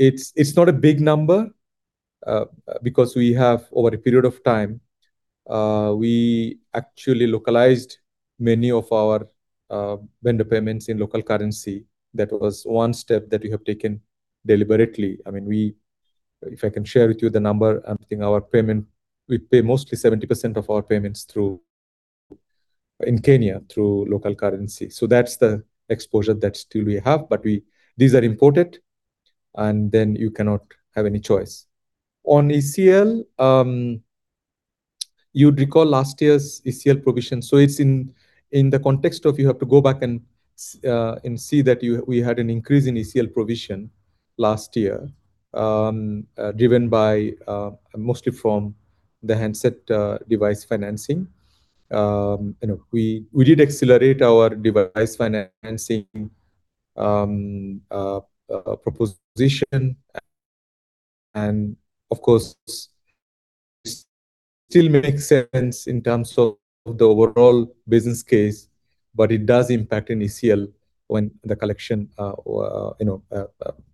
It's not a big number, because we have over a period of time, we actually localized many of our vendor payments in local currency. That was one step that we have taken deliberately. I mean, we, if I can share with you the number, I think our payment, we pay mostly 70% of our payments through, in Kenya, through local currency. That's the exposure that still we have, but these are imported, and then you cannot have any choice. On ECL, you'd recall last year's ECL provision. It's in the context of you have to go back and see that you, we had an increase in ECL provision last year, driven by mostly from the handset device financing. You know, we did accelerate our device financing proposition. Of course, still makes sense in terms of the overall business case, but it does impact an ECL when the collection or, you know,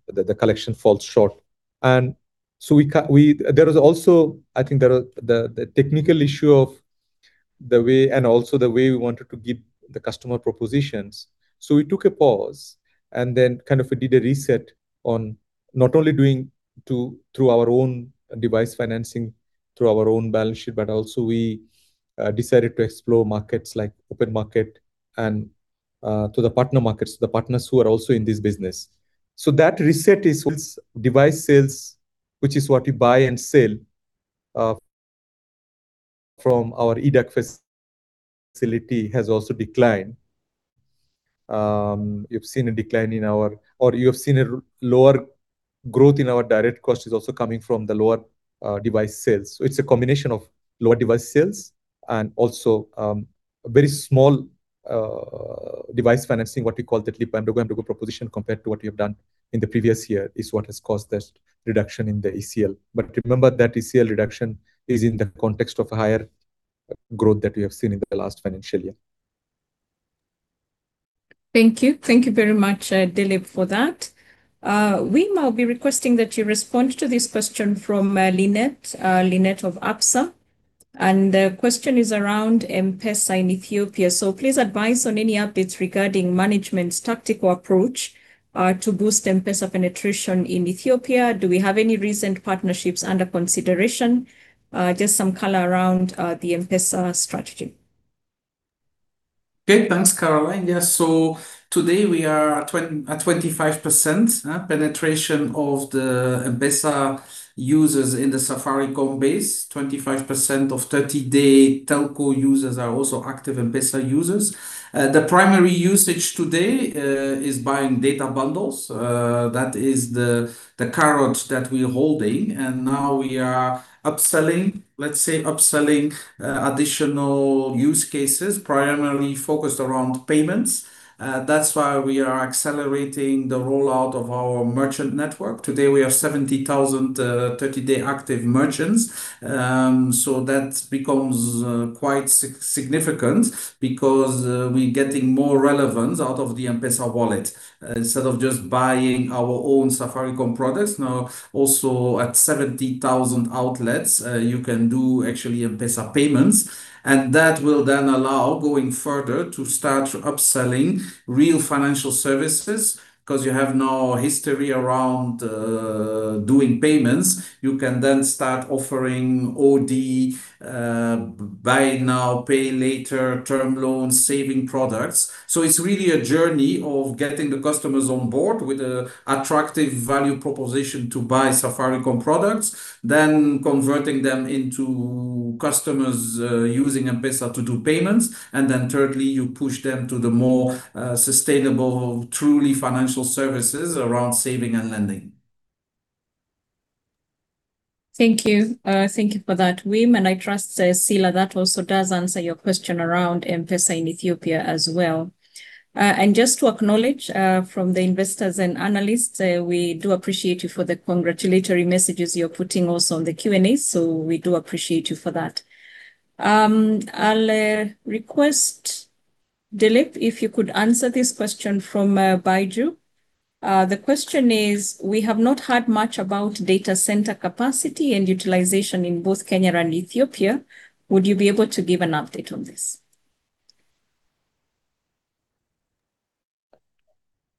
the collection falls short. There was also, I think there are the technical issue of the way, and also the way we wanted to give the customer propositions. We took a pause and then kind of we did a reset on not only doing through our own device financing, through our own balance sheet, but also we decided to explore markets like open market and to the partner markets, the partners who are also in this business. That reset is device sales, which is what you buy and sell from our EADAK facility, has also declined. You've seen a decline in our, or you've seen a lower growth in our direct cost is also coming from the lower device sales. It's a combination of lower device sales and also a very small device financing, what we call the Lipa Mdogo Mdogo proposition compared to what we have done in the previous year, is what has caused this reduction in the ECL. Remember that ECL reduction is in the context of higher growth that we have seen in the last financial year. Thank you. Thank you very much, Dilip, for that. Wim, I'll be requesting that you respond to this question from Linet of Absa. The question is around M-PESA in Ethiopia. Please advise on any updates regarding management's tactical approach to boost M-PESA penetration in Ethiopia. Do we have any recent partnerships under consideration? Just some color around the M-PESA strategy. Okay. Thanks, Caroline. Yeah. Today we are at 25% penetration of the M-PESA users in the Safaricom base. 25% of 30-day telco users are also active M-PESA users. The primary usage today is buying data bundles. That is the carrot that we're holding, now we are upselling, let's say, upselling additional use cases, primarily focused around payments. That's why we are accelerating the rollout of our merchant network. Today we have 70,000 30-day active merchants. That becomes quite significant because we're getting more relevance out of the M-PESA wallet. Instead of just buying our own Safaricom products, now also at 70,000 outlets, you can do actually M-PESA payments. That will then allow going further to start upselling real financial services, 'cause you have now history around doing payments. You can then start offering OD, buy now, pay later, term loans, saving products. It's really a journey of getting the customers on board with a attractive value proposition to buy Safaricom products, then converting them into customers, using M-PESA to do payments. Thirdly, you push them to the more sustainable, truly financial services around saving and lending. Thank you. Thank you for that, Wim. I trust, [Sila], that also does answer your question around M-PESA in Ethiopia as well. Just to acknowledge from the investors and analysts, we do appreciate you for the congratulatory messages you're putting also on the Q&A. We do appreciate you for that. I'll request, Dilip, if you could answer this question from [Baiju]. The question is: We have not heard much about data center capacity and utilization in both Kenya and Ethiopia. Would you be able to give an update on this?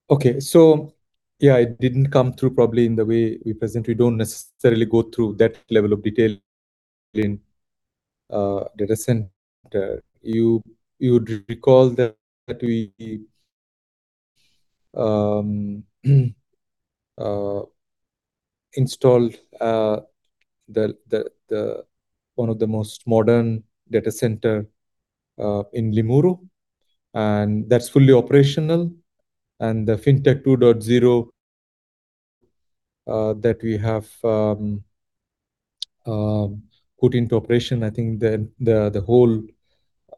Okay. Yeah, it didn't come through probably in the way we present. We don't necessarily go through that level of detail in data center. You would recall that we installed one of the most modern data center in Limuru, and that's fully operational. The Fintech 2.0 that we have put into operation, I think the whole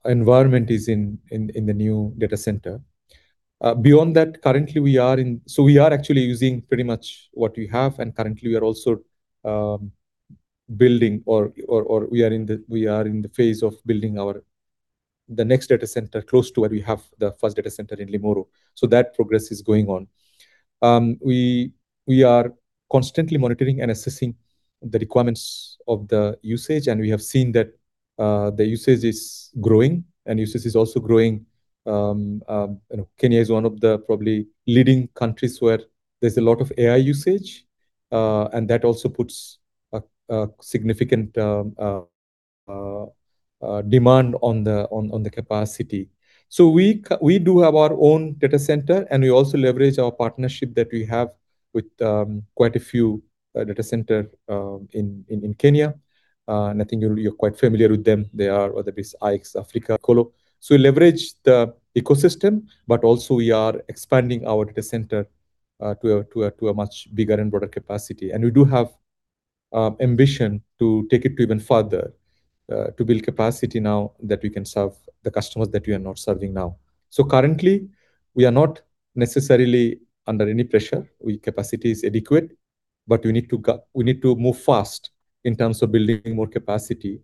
environment is in the new data center. Beyond that, currently we are in, so we are actually using pretty much what we have, and currently we are also building or we are in the phase of building our, the next data center close to where we have the first data center in Limuru. That progress is going on. We are constantly monitoring and assessing the requirements of the usage, and we have seen that the usage is growing and usage is also growing. You know, Kenya is one of the probably leading countries where there's a lot of AI usage, and that also puts a significant demand on the capacity. We do have our own data center, and we also leverage our partnership that we have with quite a few data center in Kenya. I think you're quite familiar with them. They are whether it be iXAfrica, icolo. We leverage the ecosystem, but also we are expanding our data center to a much bigger and broader capacity. We do have ambition to take it to even further to build capacity now that we can serve the customers that we are not serving now. Currently, we are not necessarily under any pressure. We, capacity is adequate, but we need to move fast in terms of building more capacity,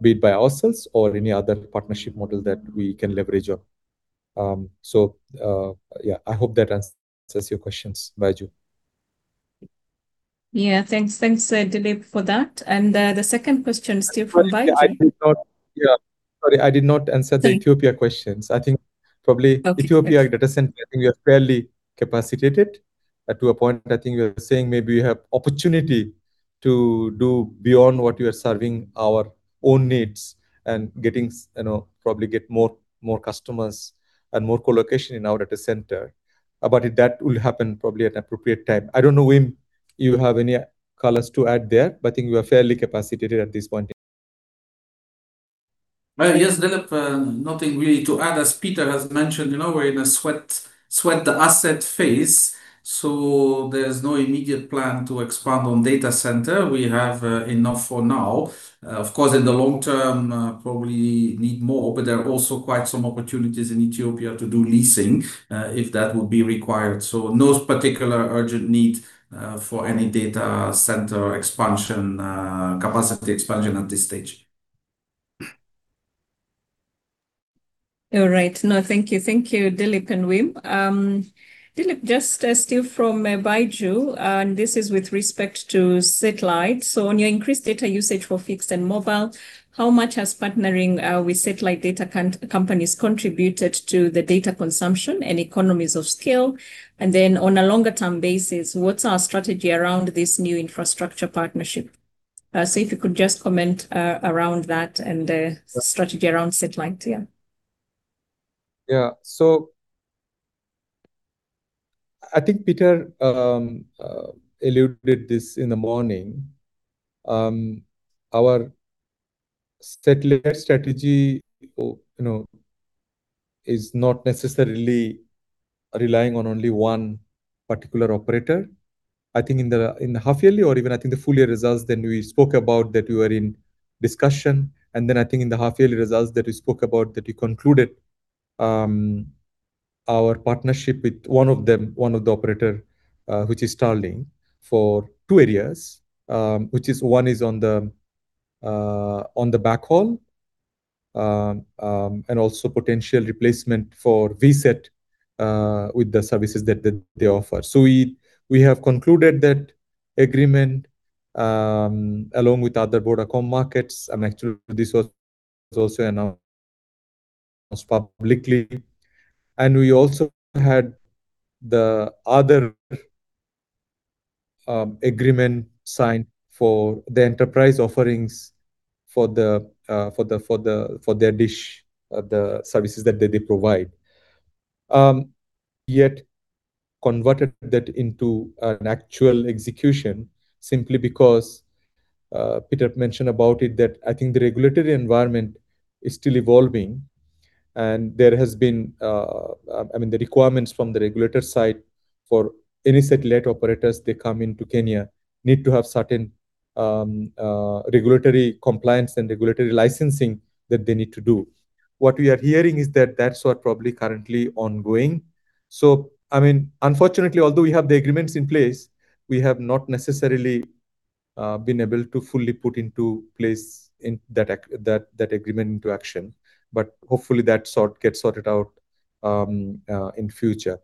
be it by ourselves or any other partnership model that we can leverage on. Yeah, I hope that answers your questions, [Baiju]. Yeah. Thanks. Thanks, Dilip, for that. The second question still from [Baiju]. Sorry, I did not, yeah. Thank you Sorry, I did not answer the Ethiopia questions. Okay. Thanks. Ethiopia data center, I think we are fairly capacitated to a point, I think we are saying maybe we have opportunity to do beyond what we are serving our own needs and getting you know, probably get more customers and more colocation in our data center. That will happen probably at appropriate time. I don't know, Wim, you have any colors to add there? I think we are fairly capacitated at this point. Well, yes, Dilip, nothing really to add. As Peter has mentioned, you know, we're in a sweat the asset phase, there's no immediate plan to expand on data center. We have enough for now. Of course, in the long term, probably need more, there are also quite some opportunities in Ethiopia to do leasing if that would be required. No particular urgent need for any data center expansion, capacity expansion at this stage. All right. No, thank you. Thank you, Dilip and Wim. Dilip, just still from [Baiju], and this is with respect to satellite. On your increased data usage for fixed and mobile, how much has partnering with satellite data companies contributed to the data consumption and economies of scale? Then on a longer term basis, what's our strategy around this new infrastructure partnership? If you could just comment around that and strategy around satellite. I think Peter alluded this in the morning. Our satellite strategy, you know, is not necessarily relying on only one particular operator. I think in the half-yearly or even I think the full-year results, we spoke about that we were in discussion. I think in the half-yearly results that we spoke about, that we concluded our partnership with one of the operator, which is Starlink, for two areas. Which is one is on the backhaul and also potential replacement for VSAT with the services that they offer. We have concluded that agreement along with other Vodacom markets, and actually this was also announced publicly. We also had the other agreement signed for the enterprise offerings for their dish, the services that they provide. Yet converted that into an actual execution simply because Peter mentioned about it that I think the regulatory environment is still evolving and there has been, I mean, the requirements from the regulator side for any satellite operators that come into Kenya need to have certain regulatory compliance and regulatory licensing that they need to do. What we are hearing is that that's what probably currently ongoing. I mean, unfortunately, although we have the agreements in place, we have not necessarily been able to fully put into place in that agreement into action. Hopefully that sort, gets sorted out in future.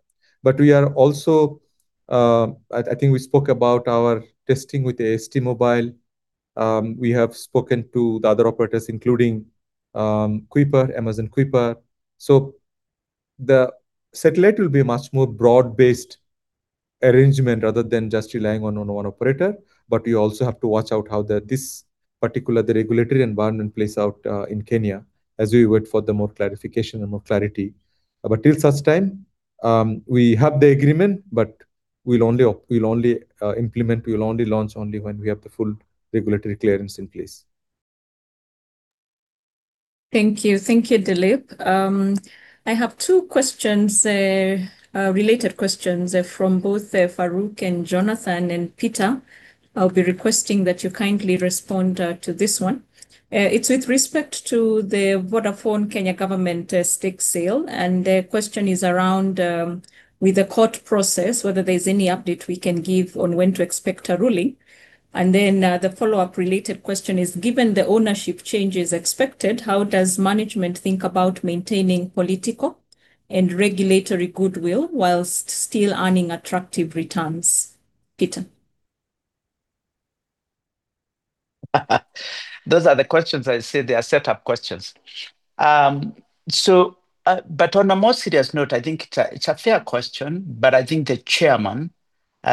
We are also, I think we spoke about our testing with AST SpaceMobile. We have spoken to the other operators, including Kuiper, Amazon Kuiper. The satellite will be a much more broad-based arrangement rather than just relying on one operator. We also have to watch out how this particular regulatory environment plays out in Kenya as we wait for the more clarification and more clarity. Till such time, we have the agreement, but we'll only implement, we'll only launch when we have the full regulatory clearance in place. Thank you. Thank you, Dilip. I have two questions, related questions, from both [Farooq] and [Jonathan]. And Peter, I'll be requesting that you kindly respond to this one. It's with respect to the Vodafone Kenya government stake sale, and the question is around with the court process, whether there's any update we can give on when to expect a ruling. The follow-up related question is, given the ownership changes expected, how does management think about maintaining political and regulatory goodwill whilst still earning attractive returns? Peter? Those are the questions I said they are set up questions. On a more serious note, I think it's a fair question, but I think the chairman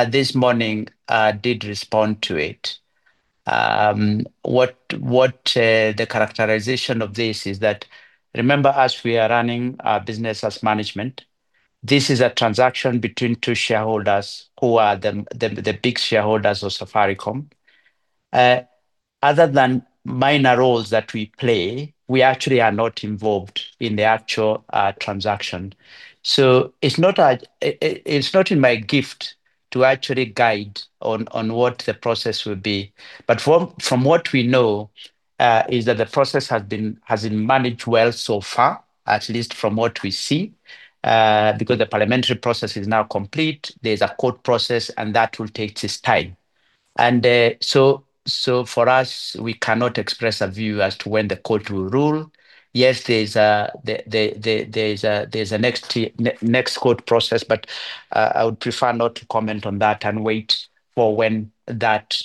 this morning did respond to it. What the characterization of this is that remember us, we are running our business as management. This is a transaction between two shareholders who are the big shareholders of Safaricom. Other than minor roles that we play, we actually are not involved in the actual transaction. It's not in my gift to actually guide on what the process will be. From what we know, is that the process has been managed well so far, at least from what we see, because the parliamentary process is now complete. There's a court process, that will take its time. For us, we cannot express a view as to when the court will rule. Yes, there's a next court process, I would prefer not to comment on that and wait for when that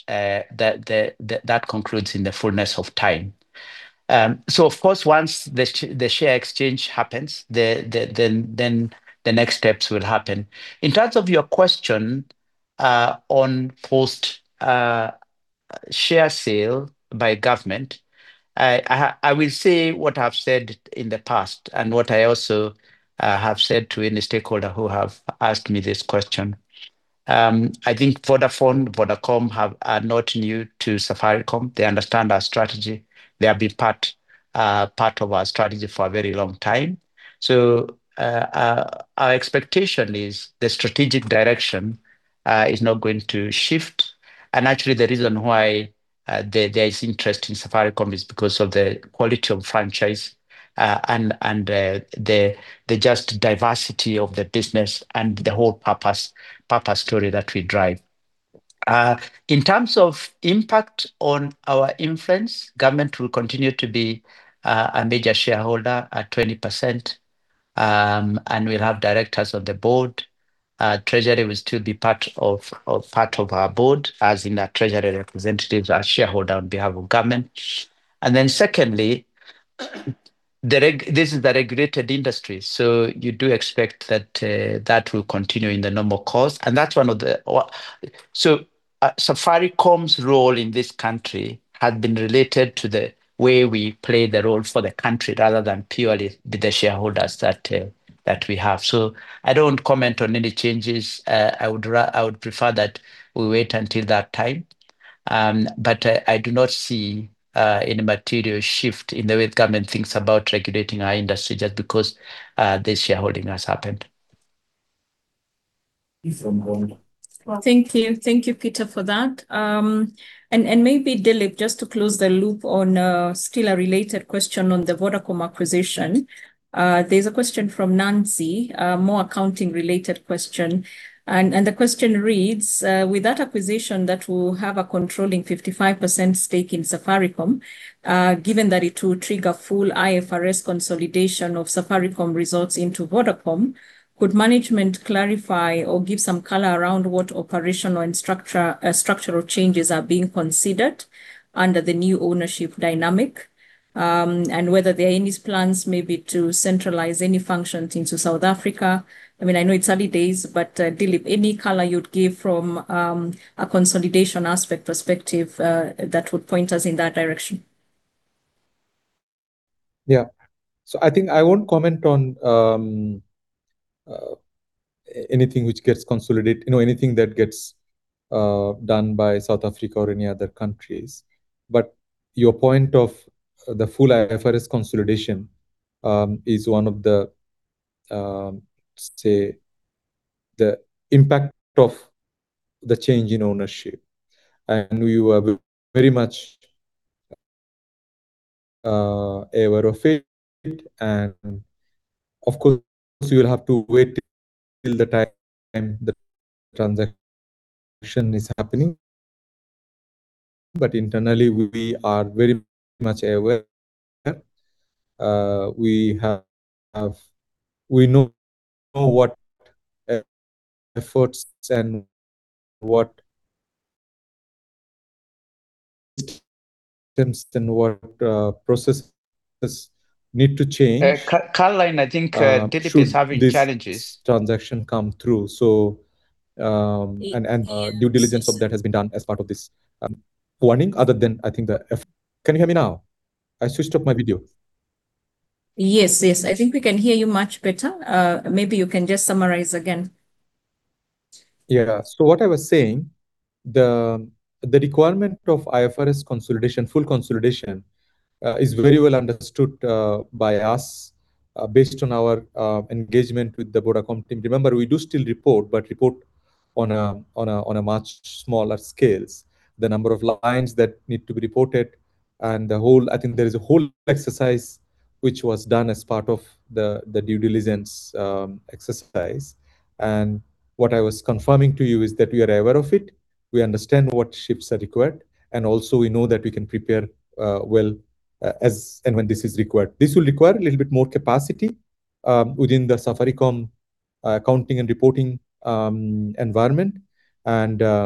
concludes in the fullness of time. Of course, once the share exchange happens, then the next steps will happen. In terms of your question on post share sale by government, I will say what I've said in the past and what I also have said to any stakeholder who have asked me this question. I think Vodafone, Vodacom are not new to Safaricom. They understand our strategy. They have been part of our strategy for a very long time. Our expectation is the strategic direction is not going to shift. Actually, the reason why there is interest in Safaricom is because of the quality of franchise and the just diversity of the business and the whole purpose story that we drive. In terms of impact on our influence, government will continue to be a major shareholder at 20%. We'll have directors on the board. Treasury will still be part of our board, as in our treasurer representatives, our shareholder on behalf of government. Secondly, this is a regulated industry, so you do expect that will continue in the normal course. That's one of the, so Safaricom's role in this country has been related to the way we play the role for the country rather than purely be the shareholders that we have. I don't comment on any changes. I would prefer that we wait until that time. I do not see any material shift in the way the government thinks about regulating our industry just because this shareholding has happened. [inaudible] Thank you. Thank you, Peter, for that. Maybe Dilip, just to close the loop on still a related question on the Vodafone acquisition. There's a question from [Nancy], a more accounting-related question. The question reads: with that acquisition that will have a controlling 55% stake in Safaricom, given that it will trigger full IFRS consolidation of Safaricom results into Vodacom, could management clarify or give some color around what operational and structural changes are being considered under the new ownership dynamic? Whether there are any plans maybe to centralize any functions into South Africa. I mean, I know it's early days, but Dilip, any color you'd give from a consolidation aspect perspective that would point us in that direction. Yeah. I think I won't comment on anything which gets consolidated, no, anything that gets done by South Africa or any other countries. But your point of the full IFRS consolidation, is one of the say, the impact of the change in ownership. We are very much aware of it. Of course, you'll have to wait till the time the transaction is happening. But internally, we are very much aware. We have, we know what efforts and what systems and what processes need to change. Caroline, I think, Dilip is having challenges Should this transaction come through. Due diligence of that has been done as part of this warning. Can you hear me now? I switched off my video. Yes. Yes. I think we can hear you much better. Maybe you can just summarize again. Yeah. What I was saying, the requirement of IFRS consolidation, full consolidation is very well understood by us based on our engagement with the Vodafone team. Remember, we do still report, but report on a much smaller scales. The number of lines that need to be reported and the whole, I think there is a whole exercise which was done as part of the due diligence exercise. What I was confirming to you is that we are aware of it. We understand what shifts are required, and also we know that we can prepare well as and when this is required. This will require a little bit more capacity within the Safaricom accounting and reporting environment.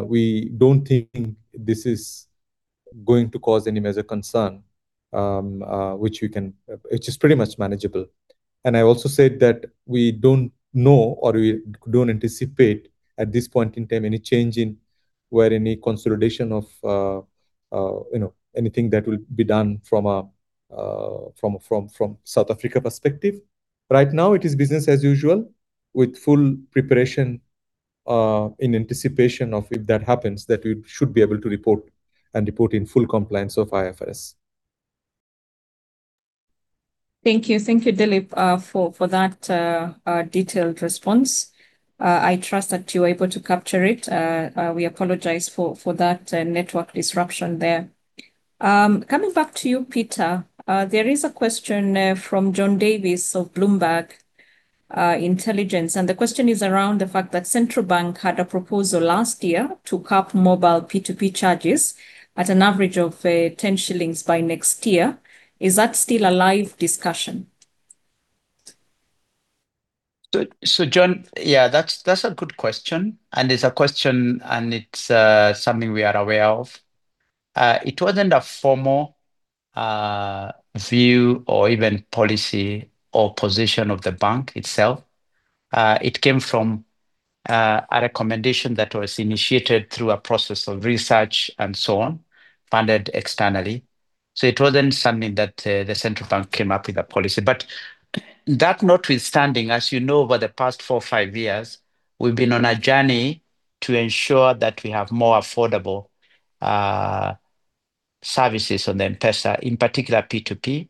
We don't think this is going to cause any major concern, which we can, which is pretty much manageable. I also said that we don't know or we don't anticipate at this point in time any change in where any consolidation of, you know, anything that will be done from a, from South Africa perspective. Right now it is business as usual with full preparation, in anticipation of if that happens, that we should be able to report and report in full compliance of IFRS. Thank you. Thank you, Dilip, for that detailed response. I trust that you were able to capture it. We apologize for that network disruption there. Coming back to you, Peter, there is a question from John Davies of Bloomberg Intelligence. The question is around the fact that Central Bank had a proposal last year to cap mobile P2P charges at an average of 10 shillings by next year. Is that still a live discussion? John, yeah, that's a good question, and is a question, it's something we are aware of. It wasn't a formal view or even policy or position of the bank itself. It came from a recommendation that was initiated through a process of research and so on, funded externally. It wasn't something that the Central Bank came up with a policy. That notwithstanding, as you know, over the past four or five years, we've been on a journey to ensure that we have more affordable services on the M-PESA, in particular P2P.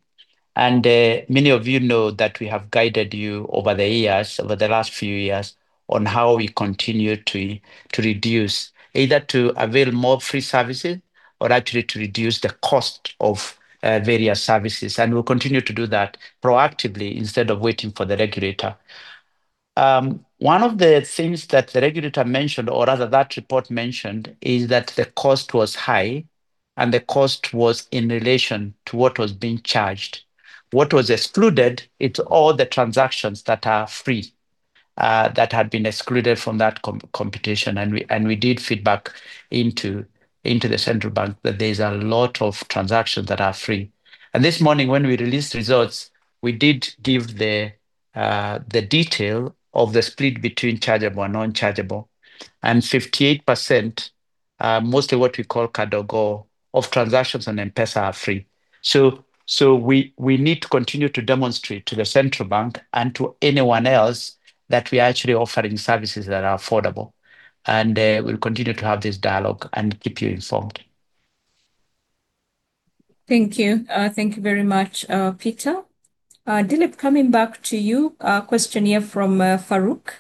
Many of you know that we have guided you over the years, over the last few years, on how we continue to reduce, either to avail more free services or actually to reduce the cost of various services. And we'll continue to do that proactively instead of waiting for the regulator. One of the things that the regulator mentioned, or rather that report mentioned, is that the cost was high and the cost was in relation to what was being charged. What was excluded, it's all the transactions that are free, that had been excluded from that computation. We did feedback into the Central Bank that there's a lot of transactions that are free. This morning when we released results, we did give the detail of the split between chargeable and non-chargeable. 58%, mostly what we call Kadogo of transactions on M-PESA are free. We need to continue to demonstrate to the Central Bank and to anyone else that we are actually offering services that are affordable. We'll continue to have this dialogue and keep you informed. Thank you. Thank you very much, Peter. Dilip, coming back to you. A question here from [Farooq]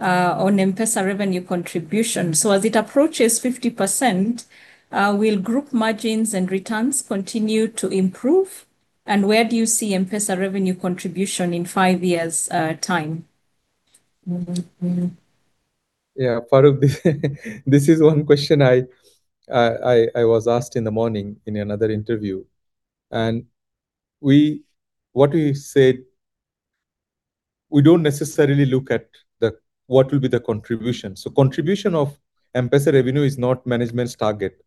on M-PESA revenue contribution. As it approaches 50%, will group margins and returns continue to improve? Where do you see M-PESA revenue contribution in five years' time? Yeah. [Farooq], this is one question I was asked in the morning in another interview. What we said, we don't necessarily look at the what will be the contribution. Contribution of M-PESA revenue is not management's target.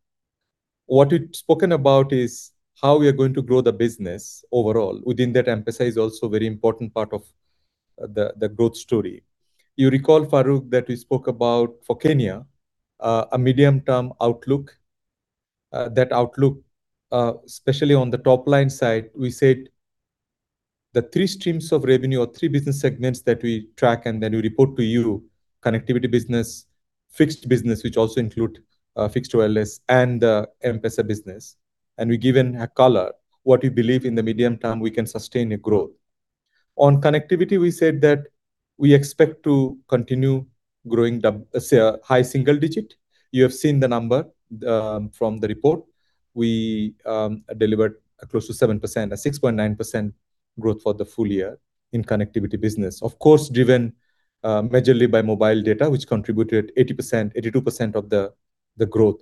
What we've spoken about is how we are going to grow the business overall. Within that, M-PESA is also very important part of the growth story. You recall, [Farooq], that we spoke about for Kenya a medium-term outlook. That outlook, especially on the top line side, we said the three streams of revenue or three business segments that we track and then we report to you, connectivity business, fixed business, which also include fixed wireless and M-PESA business. We give a color what we believe in the medium term we can sustain a growth. On connectivity, we said that we expect to continue growing a high single-digit. You have seen the number from the report. We delivered close to 7%. A 6.9% growth for the full year in connectivity business. Of course, driven majorly by mobile data, which contributed 80%, 82% of the growth.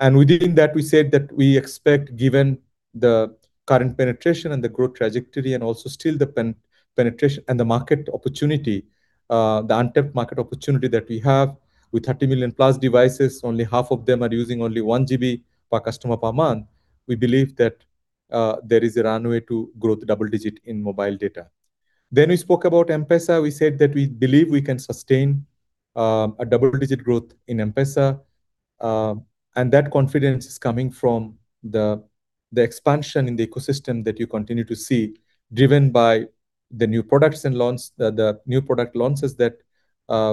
Within that we said that we expect, given the current penetration and the growth trajectory and also still the penetration and the market opportunity, the untapped market opportunity that we have with 30 million+ devices, only half of them are using only 1 GB per customer per month. We believe that there is a runway to growth double-digit in mobile data. Then we spoke about M-PESA. We said that we believe we can sustain a double-digit growth in M-PESA. That confidence is coming from the expansion in the ecosystem that you continue to see, driven by the new products and launch. The new product launches that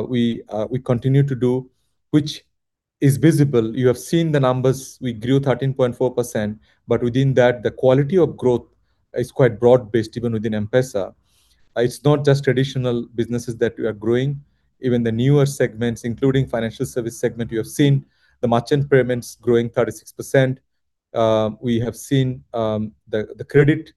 we continue to do, which is visible. You have seen the numbers. We grew 13.4%, within that, the quality of growth is quite broad-based, even within M-PESA. It's not just traditional businesses that we are growing. Even the newer segments, including financial service segment, you have seen the merchant payments growing 36%. We have seen the credit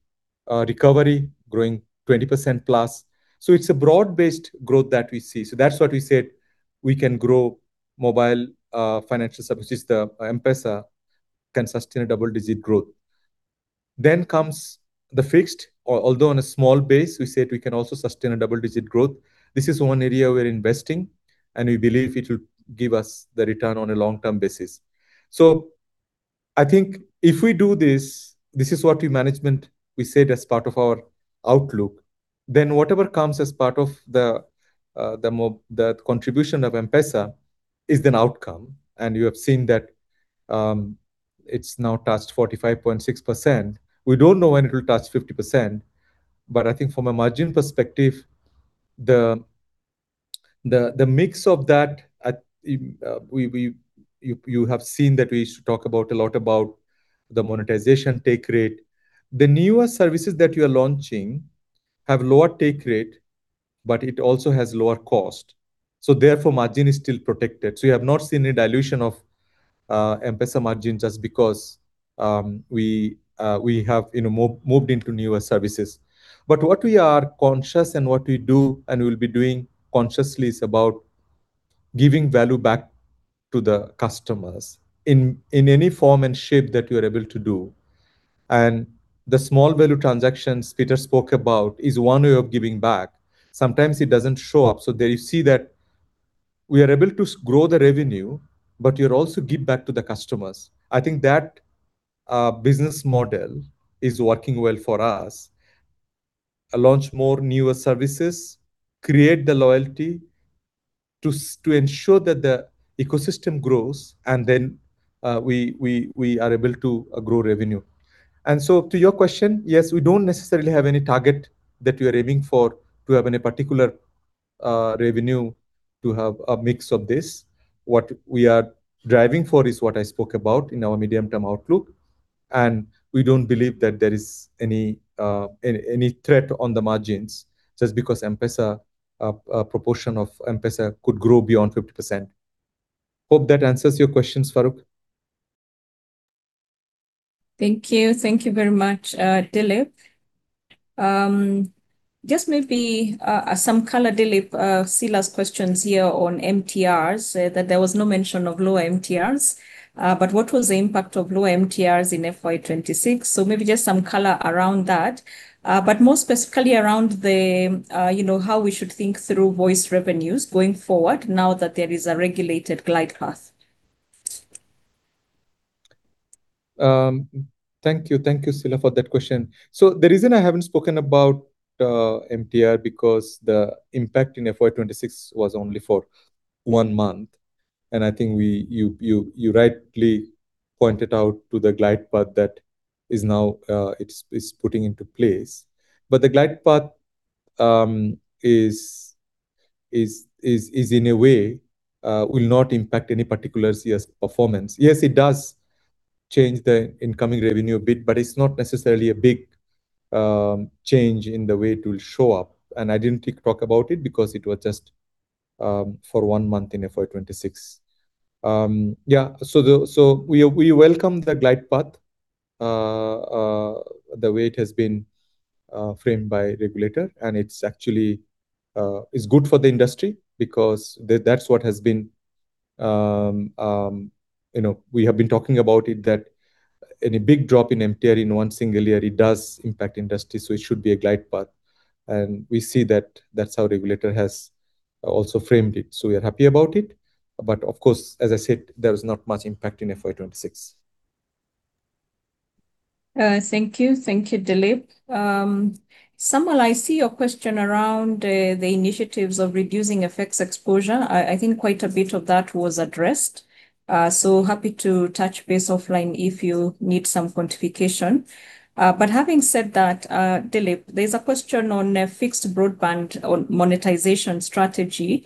recovery growing 20%+. It's a broad-based growth that we see. That's what we said we can grow mobile financial services. The M-PESA can sustain a double-digit growth. Comes the fixed, although on a small base, we said we can also sustain a double-digit growth. This is one area we're investing, and we believe it will give us the return on a long-term basis. I think if we do this is what we management said as part of our outlook, whatever comes as part of the contribution of M-PESA is an outcome. You have seen that it's now touched 45.6%. We don't know when it will touch 50%, I think from a margin perspective, the mix of that at we You have seen that we talk about a lot about the monetization take rate. The newer services that we are launching have lower take rate, it also has lower cost. Therefore margin is still protected. You have not seen a dilution of M-PESA margin just because we have, you know, moved into newer services. What we are conscious, and what we do and we'll be doing consciously, is about giving value back to the customers in any form and shape that we are able to do. The small value transactions Peter spoke about is one way of giving back. Sometimes it doesn't show up. There you see that we are able to grow the revenue, but you also give back to the customers. I think that business model is working well for us. Launch more newer services, create the loyalty to ensure that the ecosystem grows, then we are able to grow revenue. And so to your question, yes, we don't necessarily have any target that we are aiming for to have any particular revenue to have a mix of this. What we are driving for is what I spoke about in our medium-term outlook. We don't believe that there is any threat on the margins just because M-PESA, a proportion of M-PESA could grow beyond 50%. Hope that answers your questions, [Farooq]. Thank you. Thank you very much, Dilip. Just maybe, some color, Dilip, [Sila]'s questions here on MTRs, that there was no mention of low MTRs. What was the impact of low MTRs in FY 2026? Maybe just some color around that. More specifically around the, you know, how we should think through voice revenues going forward now that there is a regulated glide path. Thank you. Thank you, [Sila], for that question. The reason I haven't spoken about MTR, because the impact in FY26 was only for one month. I think you rightly pointed out to the glide path that is now it's putting into place. The glide path is in a way will not impact any particular CS performance. Yes, it does change the incoming revenue a bit, but it's not necessarily a big change in the way it will show up. I didn't talk about it because it was just for one month in FY26. We welcome the glide path, the way it has been framed by regulator, and it is actually good for the industry because that is what has been, you know, we have been talking about it that any big drop in MTR in one single year, it does impact industry, so it should be a glide path. We see that that is how regulator has also framed it. We are happy about it. Of course, as I said, there was not much impact in FY 2026. Thank you. Thank you, Dilip. Samuel, I see your question around the initiatives of reducing FX exposure. I think quite a bit of that was addressed. Happy to touch base offline if you need some quantification. Having said that, Dilip, there's a question on fixed broadband on monetization strategy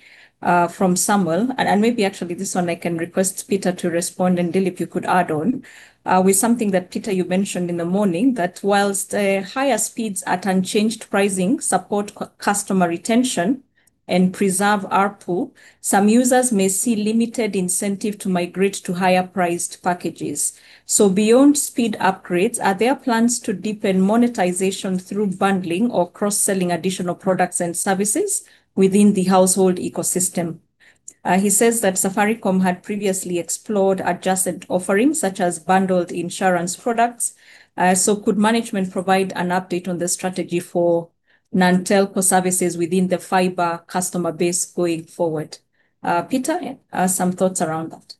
from Samuel. Maybe actually this one I can request Peter to respond, and Dilip, you could add on. With something that, Peter, you mentioned in the morning, that whilst higher speeds at unchanged pricing support customer retention and preserve ARPU, some users may see limited incentive to migrate to higher priced packages. Beyond speed upgrades, are there plans to deepen monetization through bundling or cross-selling additional products and services within the household ecosystem? He says that Safaricom had previously explored adjusted offerings such as bundled insurance products. Could management provide an update on the strategy for non-telco services within the fiber customer base going forward? Peter, some thoughts around that.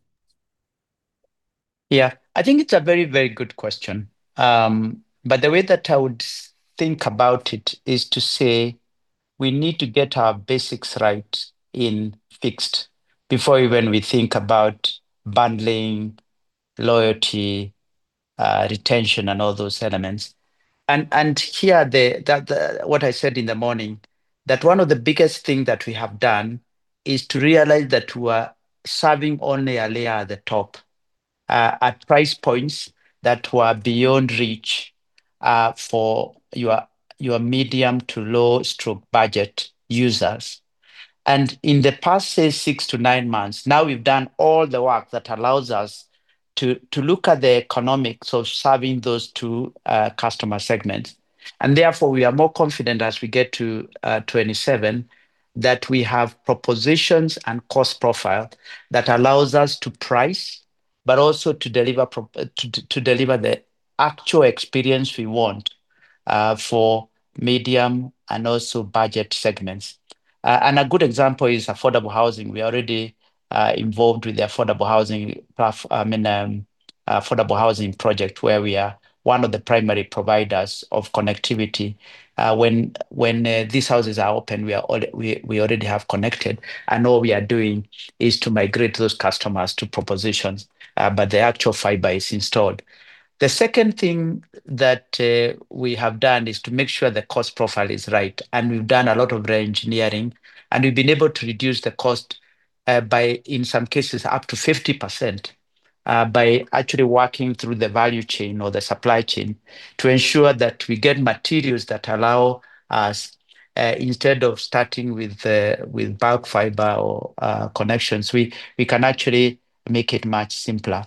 Yeah. I think it's a very, very good question. But the way that I would think about it is to say we need to get our basics right in fixed before even we think about bundling, loyalty, retention, and all those elements. Here, what I said in the morning, that one of the biggest thing that we have done is to realize that we are serving only a layer at the top, at price points that were beyond reach, for your medium to low stroke budget users. In the past, say, six months-nine months, now we've done all the work that allows us to look at the economics of serving those two customer segments. Therefore, we are more confident as we get to 2027 that we have propositions and cost profile that allows us to price, but also to deliver the actual experience we want for medium and also budget segments. A good example is affordable housing. We are already involved with the affordable housing project where we are one of the primary providers of connectivity. When these houses are open, we already have connected, and all we are doing is to migrate those customers to propositions, but the actual fiber is installed. The second thing that we have done is to make sure the cost profile is right, and we've done a lot of re-engineering, and we've been able to reduce the cost, by, in some cases, up to 50%, by actually working through the value chain or the supply chain to ensure that we get materials that allow us, instead of starting with bulk fiber or, connections, we can actually make it much simpler.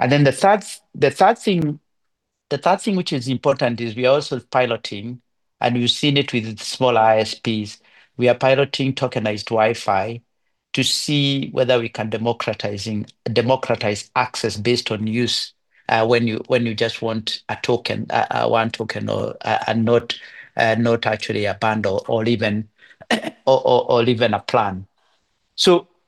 The third thing which is important is we are also piloting, and we've seen it with smaller ISPs. We are piloting tokenized Wi-Fi to see whether we can democratize access based on use, when you just want a token, one token or and not actually a bundle or even or even a plan.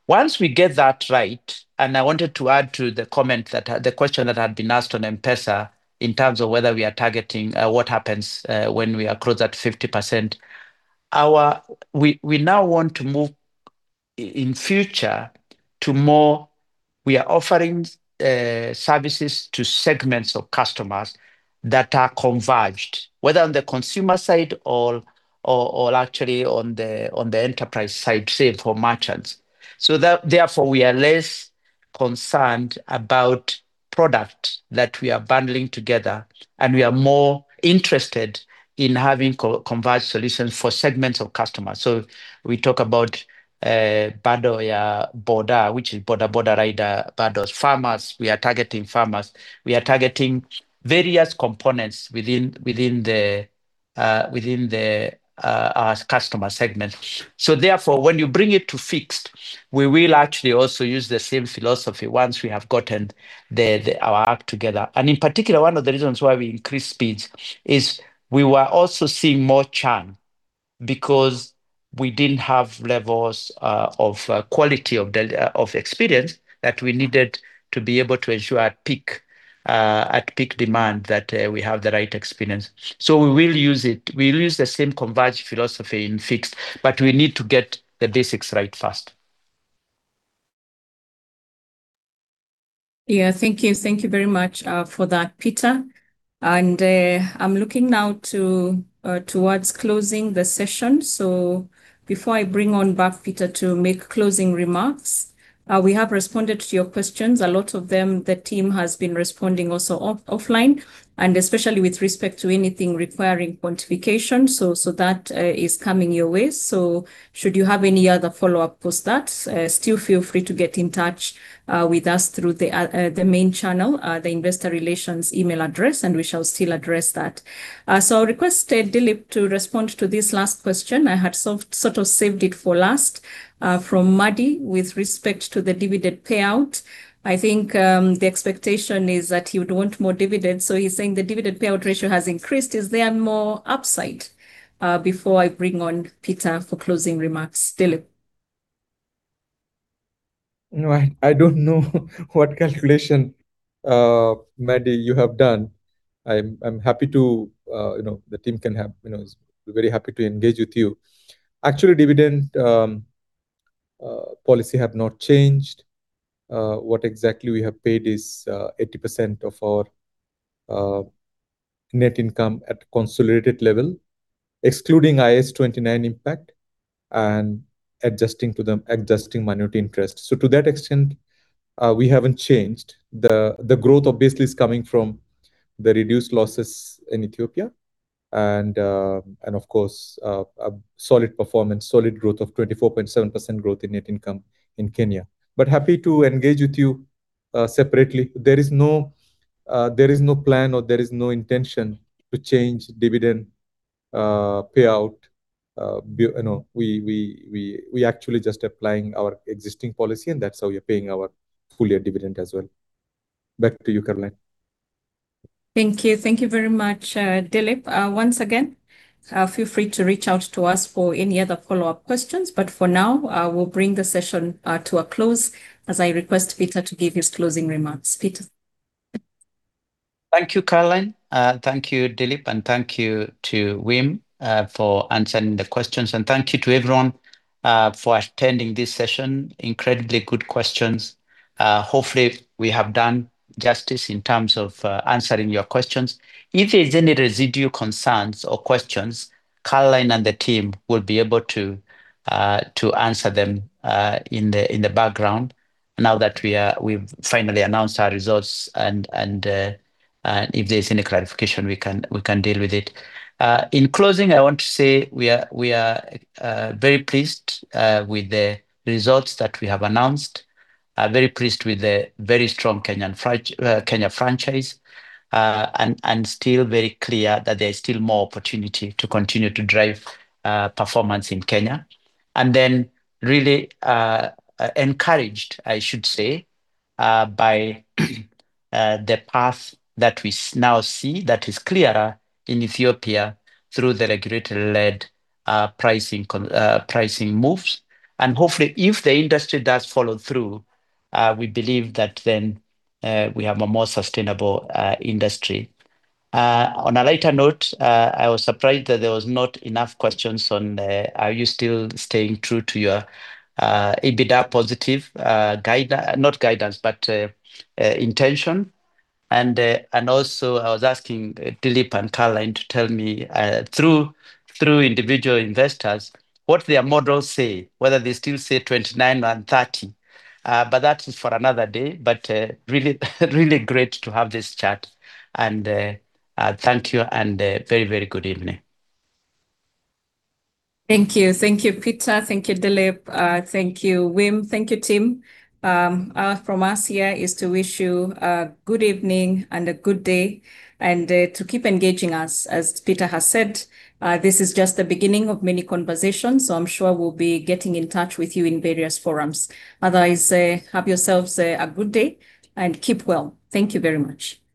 Once we get that right, and I wanted to add to the comment that had the question that had been asked on M-PESA in terms of whether we are targeting what happens when we are close at 50%. We now want to move in future to more we are offering services to segments of customers that are converged, whether on the consumer side or actually on the enterprise side, say for merchants. Therefore, we are less concerned about product that we are bundling together. We are more interested in having co-converged solutions for segments of customers. We talk about Boda Ya Boda, which is Boda Boda rider, but those farmers, we are targeting farmers. We are targeting various components within the customer segment. Therefore, when you bring it to fixed, we will actually also use the same philosophy once we have gotten our act together. In particular, one of the reasons why we increased speeds is we were also seeing more churn because we didn't have levels of quality of data, of experience that we needed to be able to ensure at peak demand that we have the right experience. We will use it. We'll use the same converged philosophy in fixed, but we need to get the basics right first. Yeah. Thank you. Thank you very much for that, Peter. I'm looking now towards closing the session. Before I bring on back Peter to make closing remarks, we have responded to your questions. A lot of them, the team has been responding also offline, and especially with respect to anything requiring quantification. So that is coming your way. Should you have any other follow-up post that, still feel free to get in touch with us through the main channel, the Investor Relations email address, and we shall still address that. I requested Dilip to respond to this last question. I had sort of saved it for last, from Madhi with respect to the dividend payout. I think, the expectation is that he would want more dividends. He's saying the dividend payout ratio has increased. Is there more upside? Before I bring on Peter for closing remarks. Dilip. No, I don't know what calculation, Madhi, you have done. I'm happy to, you know, the team can have, you know, we're very happy to engage with you. Actually, dividend policy have not changed. What exactly we have paid is 80% of our net income at consolidated level, excluding IAS 29 impact and adjusting minority interest. To that extent, we haven't changed. The growth obviously is coming from the reduced losses in Ethiopia and, of course, a solid performance, solid growth of 24.7% growth in net income in Kenya. Happy to engage with you separately. There is no plan or there is no intention to change dividend payout. You know, we actually just applying our existing policy, and that's how we're paying our full year dividend as well. Back to you, Caroline. Thank you. Thank you very much, Dilip. Once again, feel free to reach out to us for any other follow-up questions, for now, we'll bring the session to a close as I request Peter to give his closing remarks. Peter. Thank you, Caroline. Thank you, Dilip, and thank you to Wim for answering the questions. Thank you to everyone for attending this session. Incredibly good questions. Hopefully we have done justice in terms of answering your questions. If there's any residual concerns or questions, Caroline and the team will be able to answer them in the background now that we've finally announced our results and if there's any clarification, we can deal with it. In closing, I want to say we are very pleased with the results that we have announced, are very pleased with the very strong Kenya franchise, and still very clear that there is still more opportunity to continue to drive performance in Kenya. And then really encouraged, I should say, by the path that we now see that is clearer in Ethiopia through the regulator-led pricing moves. Hopefully, if the industry does follow through, we believe that then we have a more sustainable industry. On a lighter note, I was surprised that there was not enough questions on, are you still staying true to your EBITDA positive guidance, but intention. Also I was asking Dilip and Caroline to tell me through individual investors what their models say, whether they still say 2029 and 30. That is for another day. Really, really great to have this chat. Thank you and a very, very good evening. Thank you. Thank you, Peter. Thank you, Dilip. Thank you, Wim. Thank you, team. From us here is to wish you a good evening and a good day and to keep engaging us. As Peter has said, this is just the beginning of many conversations, so I'm sure we'll be getting in touch with you in various forums. Otherwise, have yourselves a good day and keep well. Thank you very much.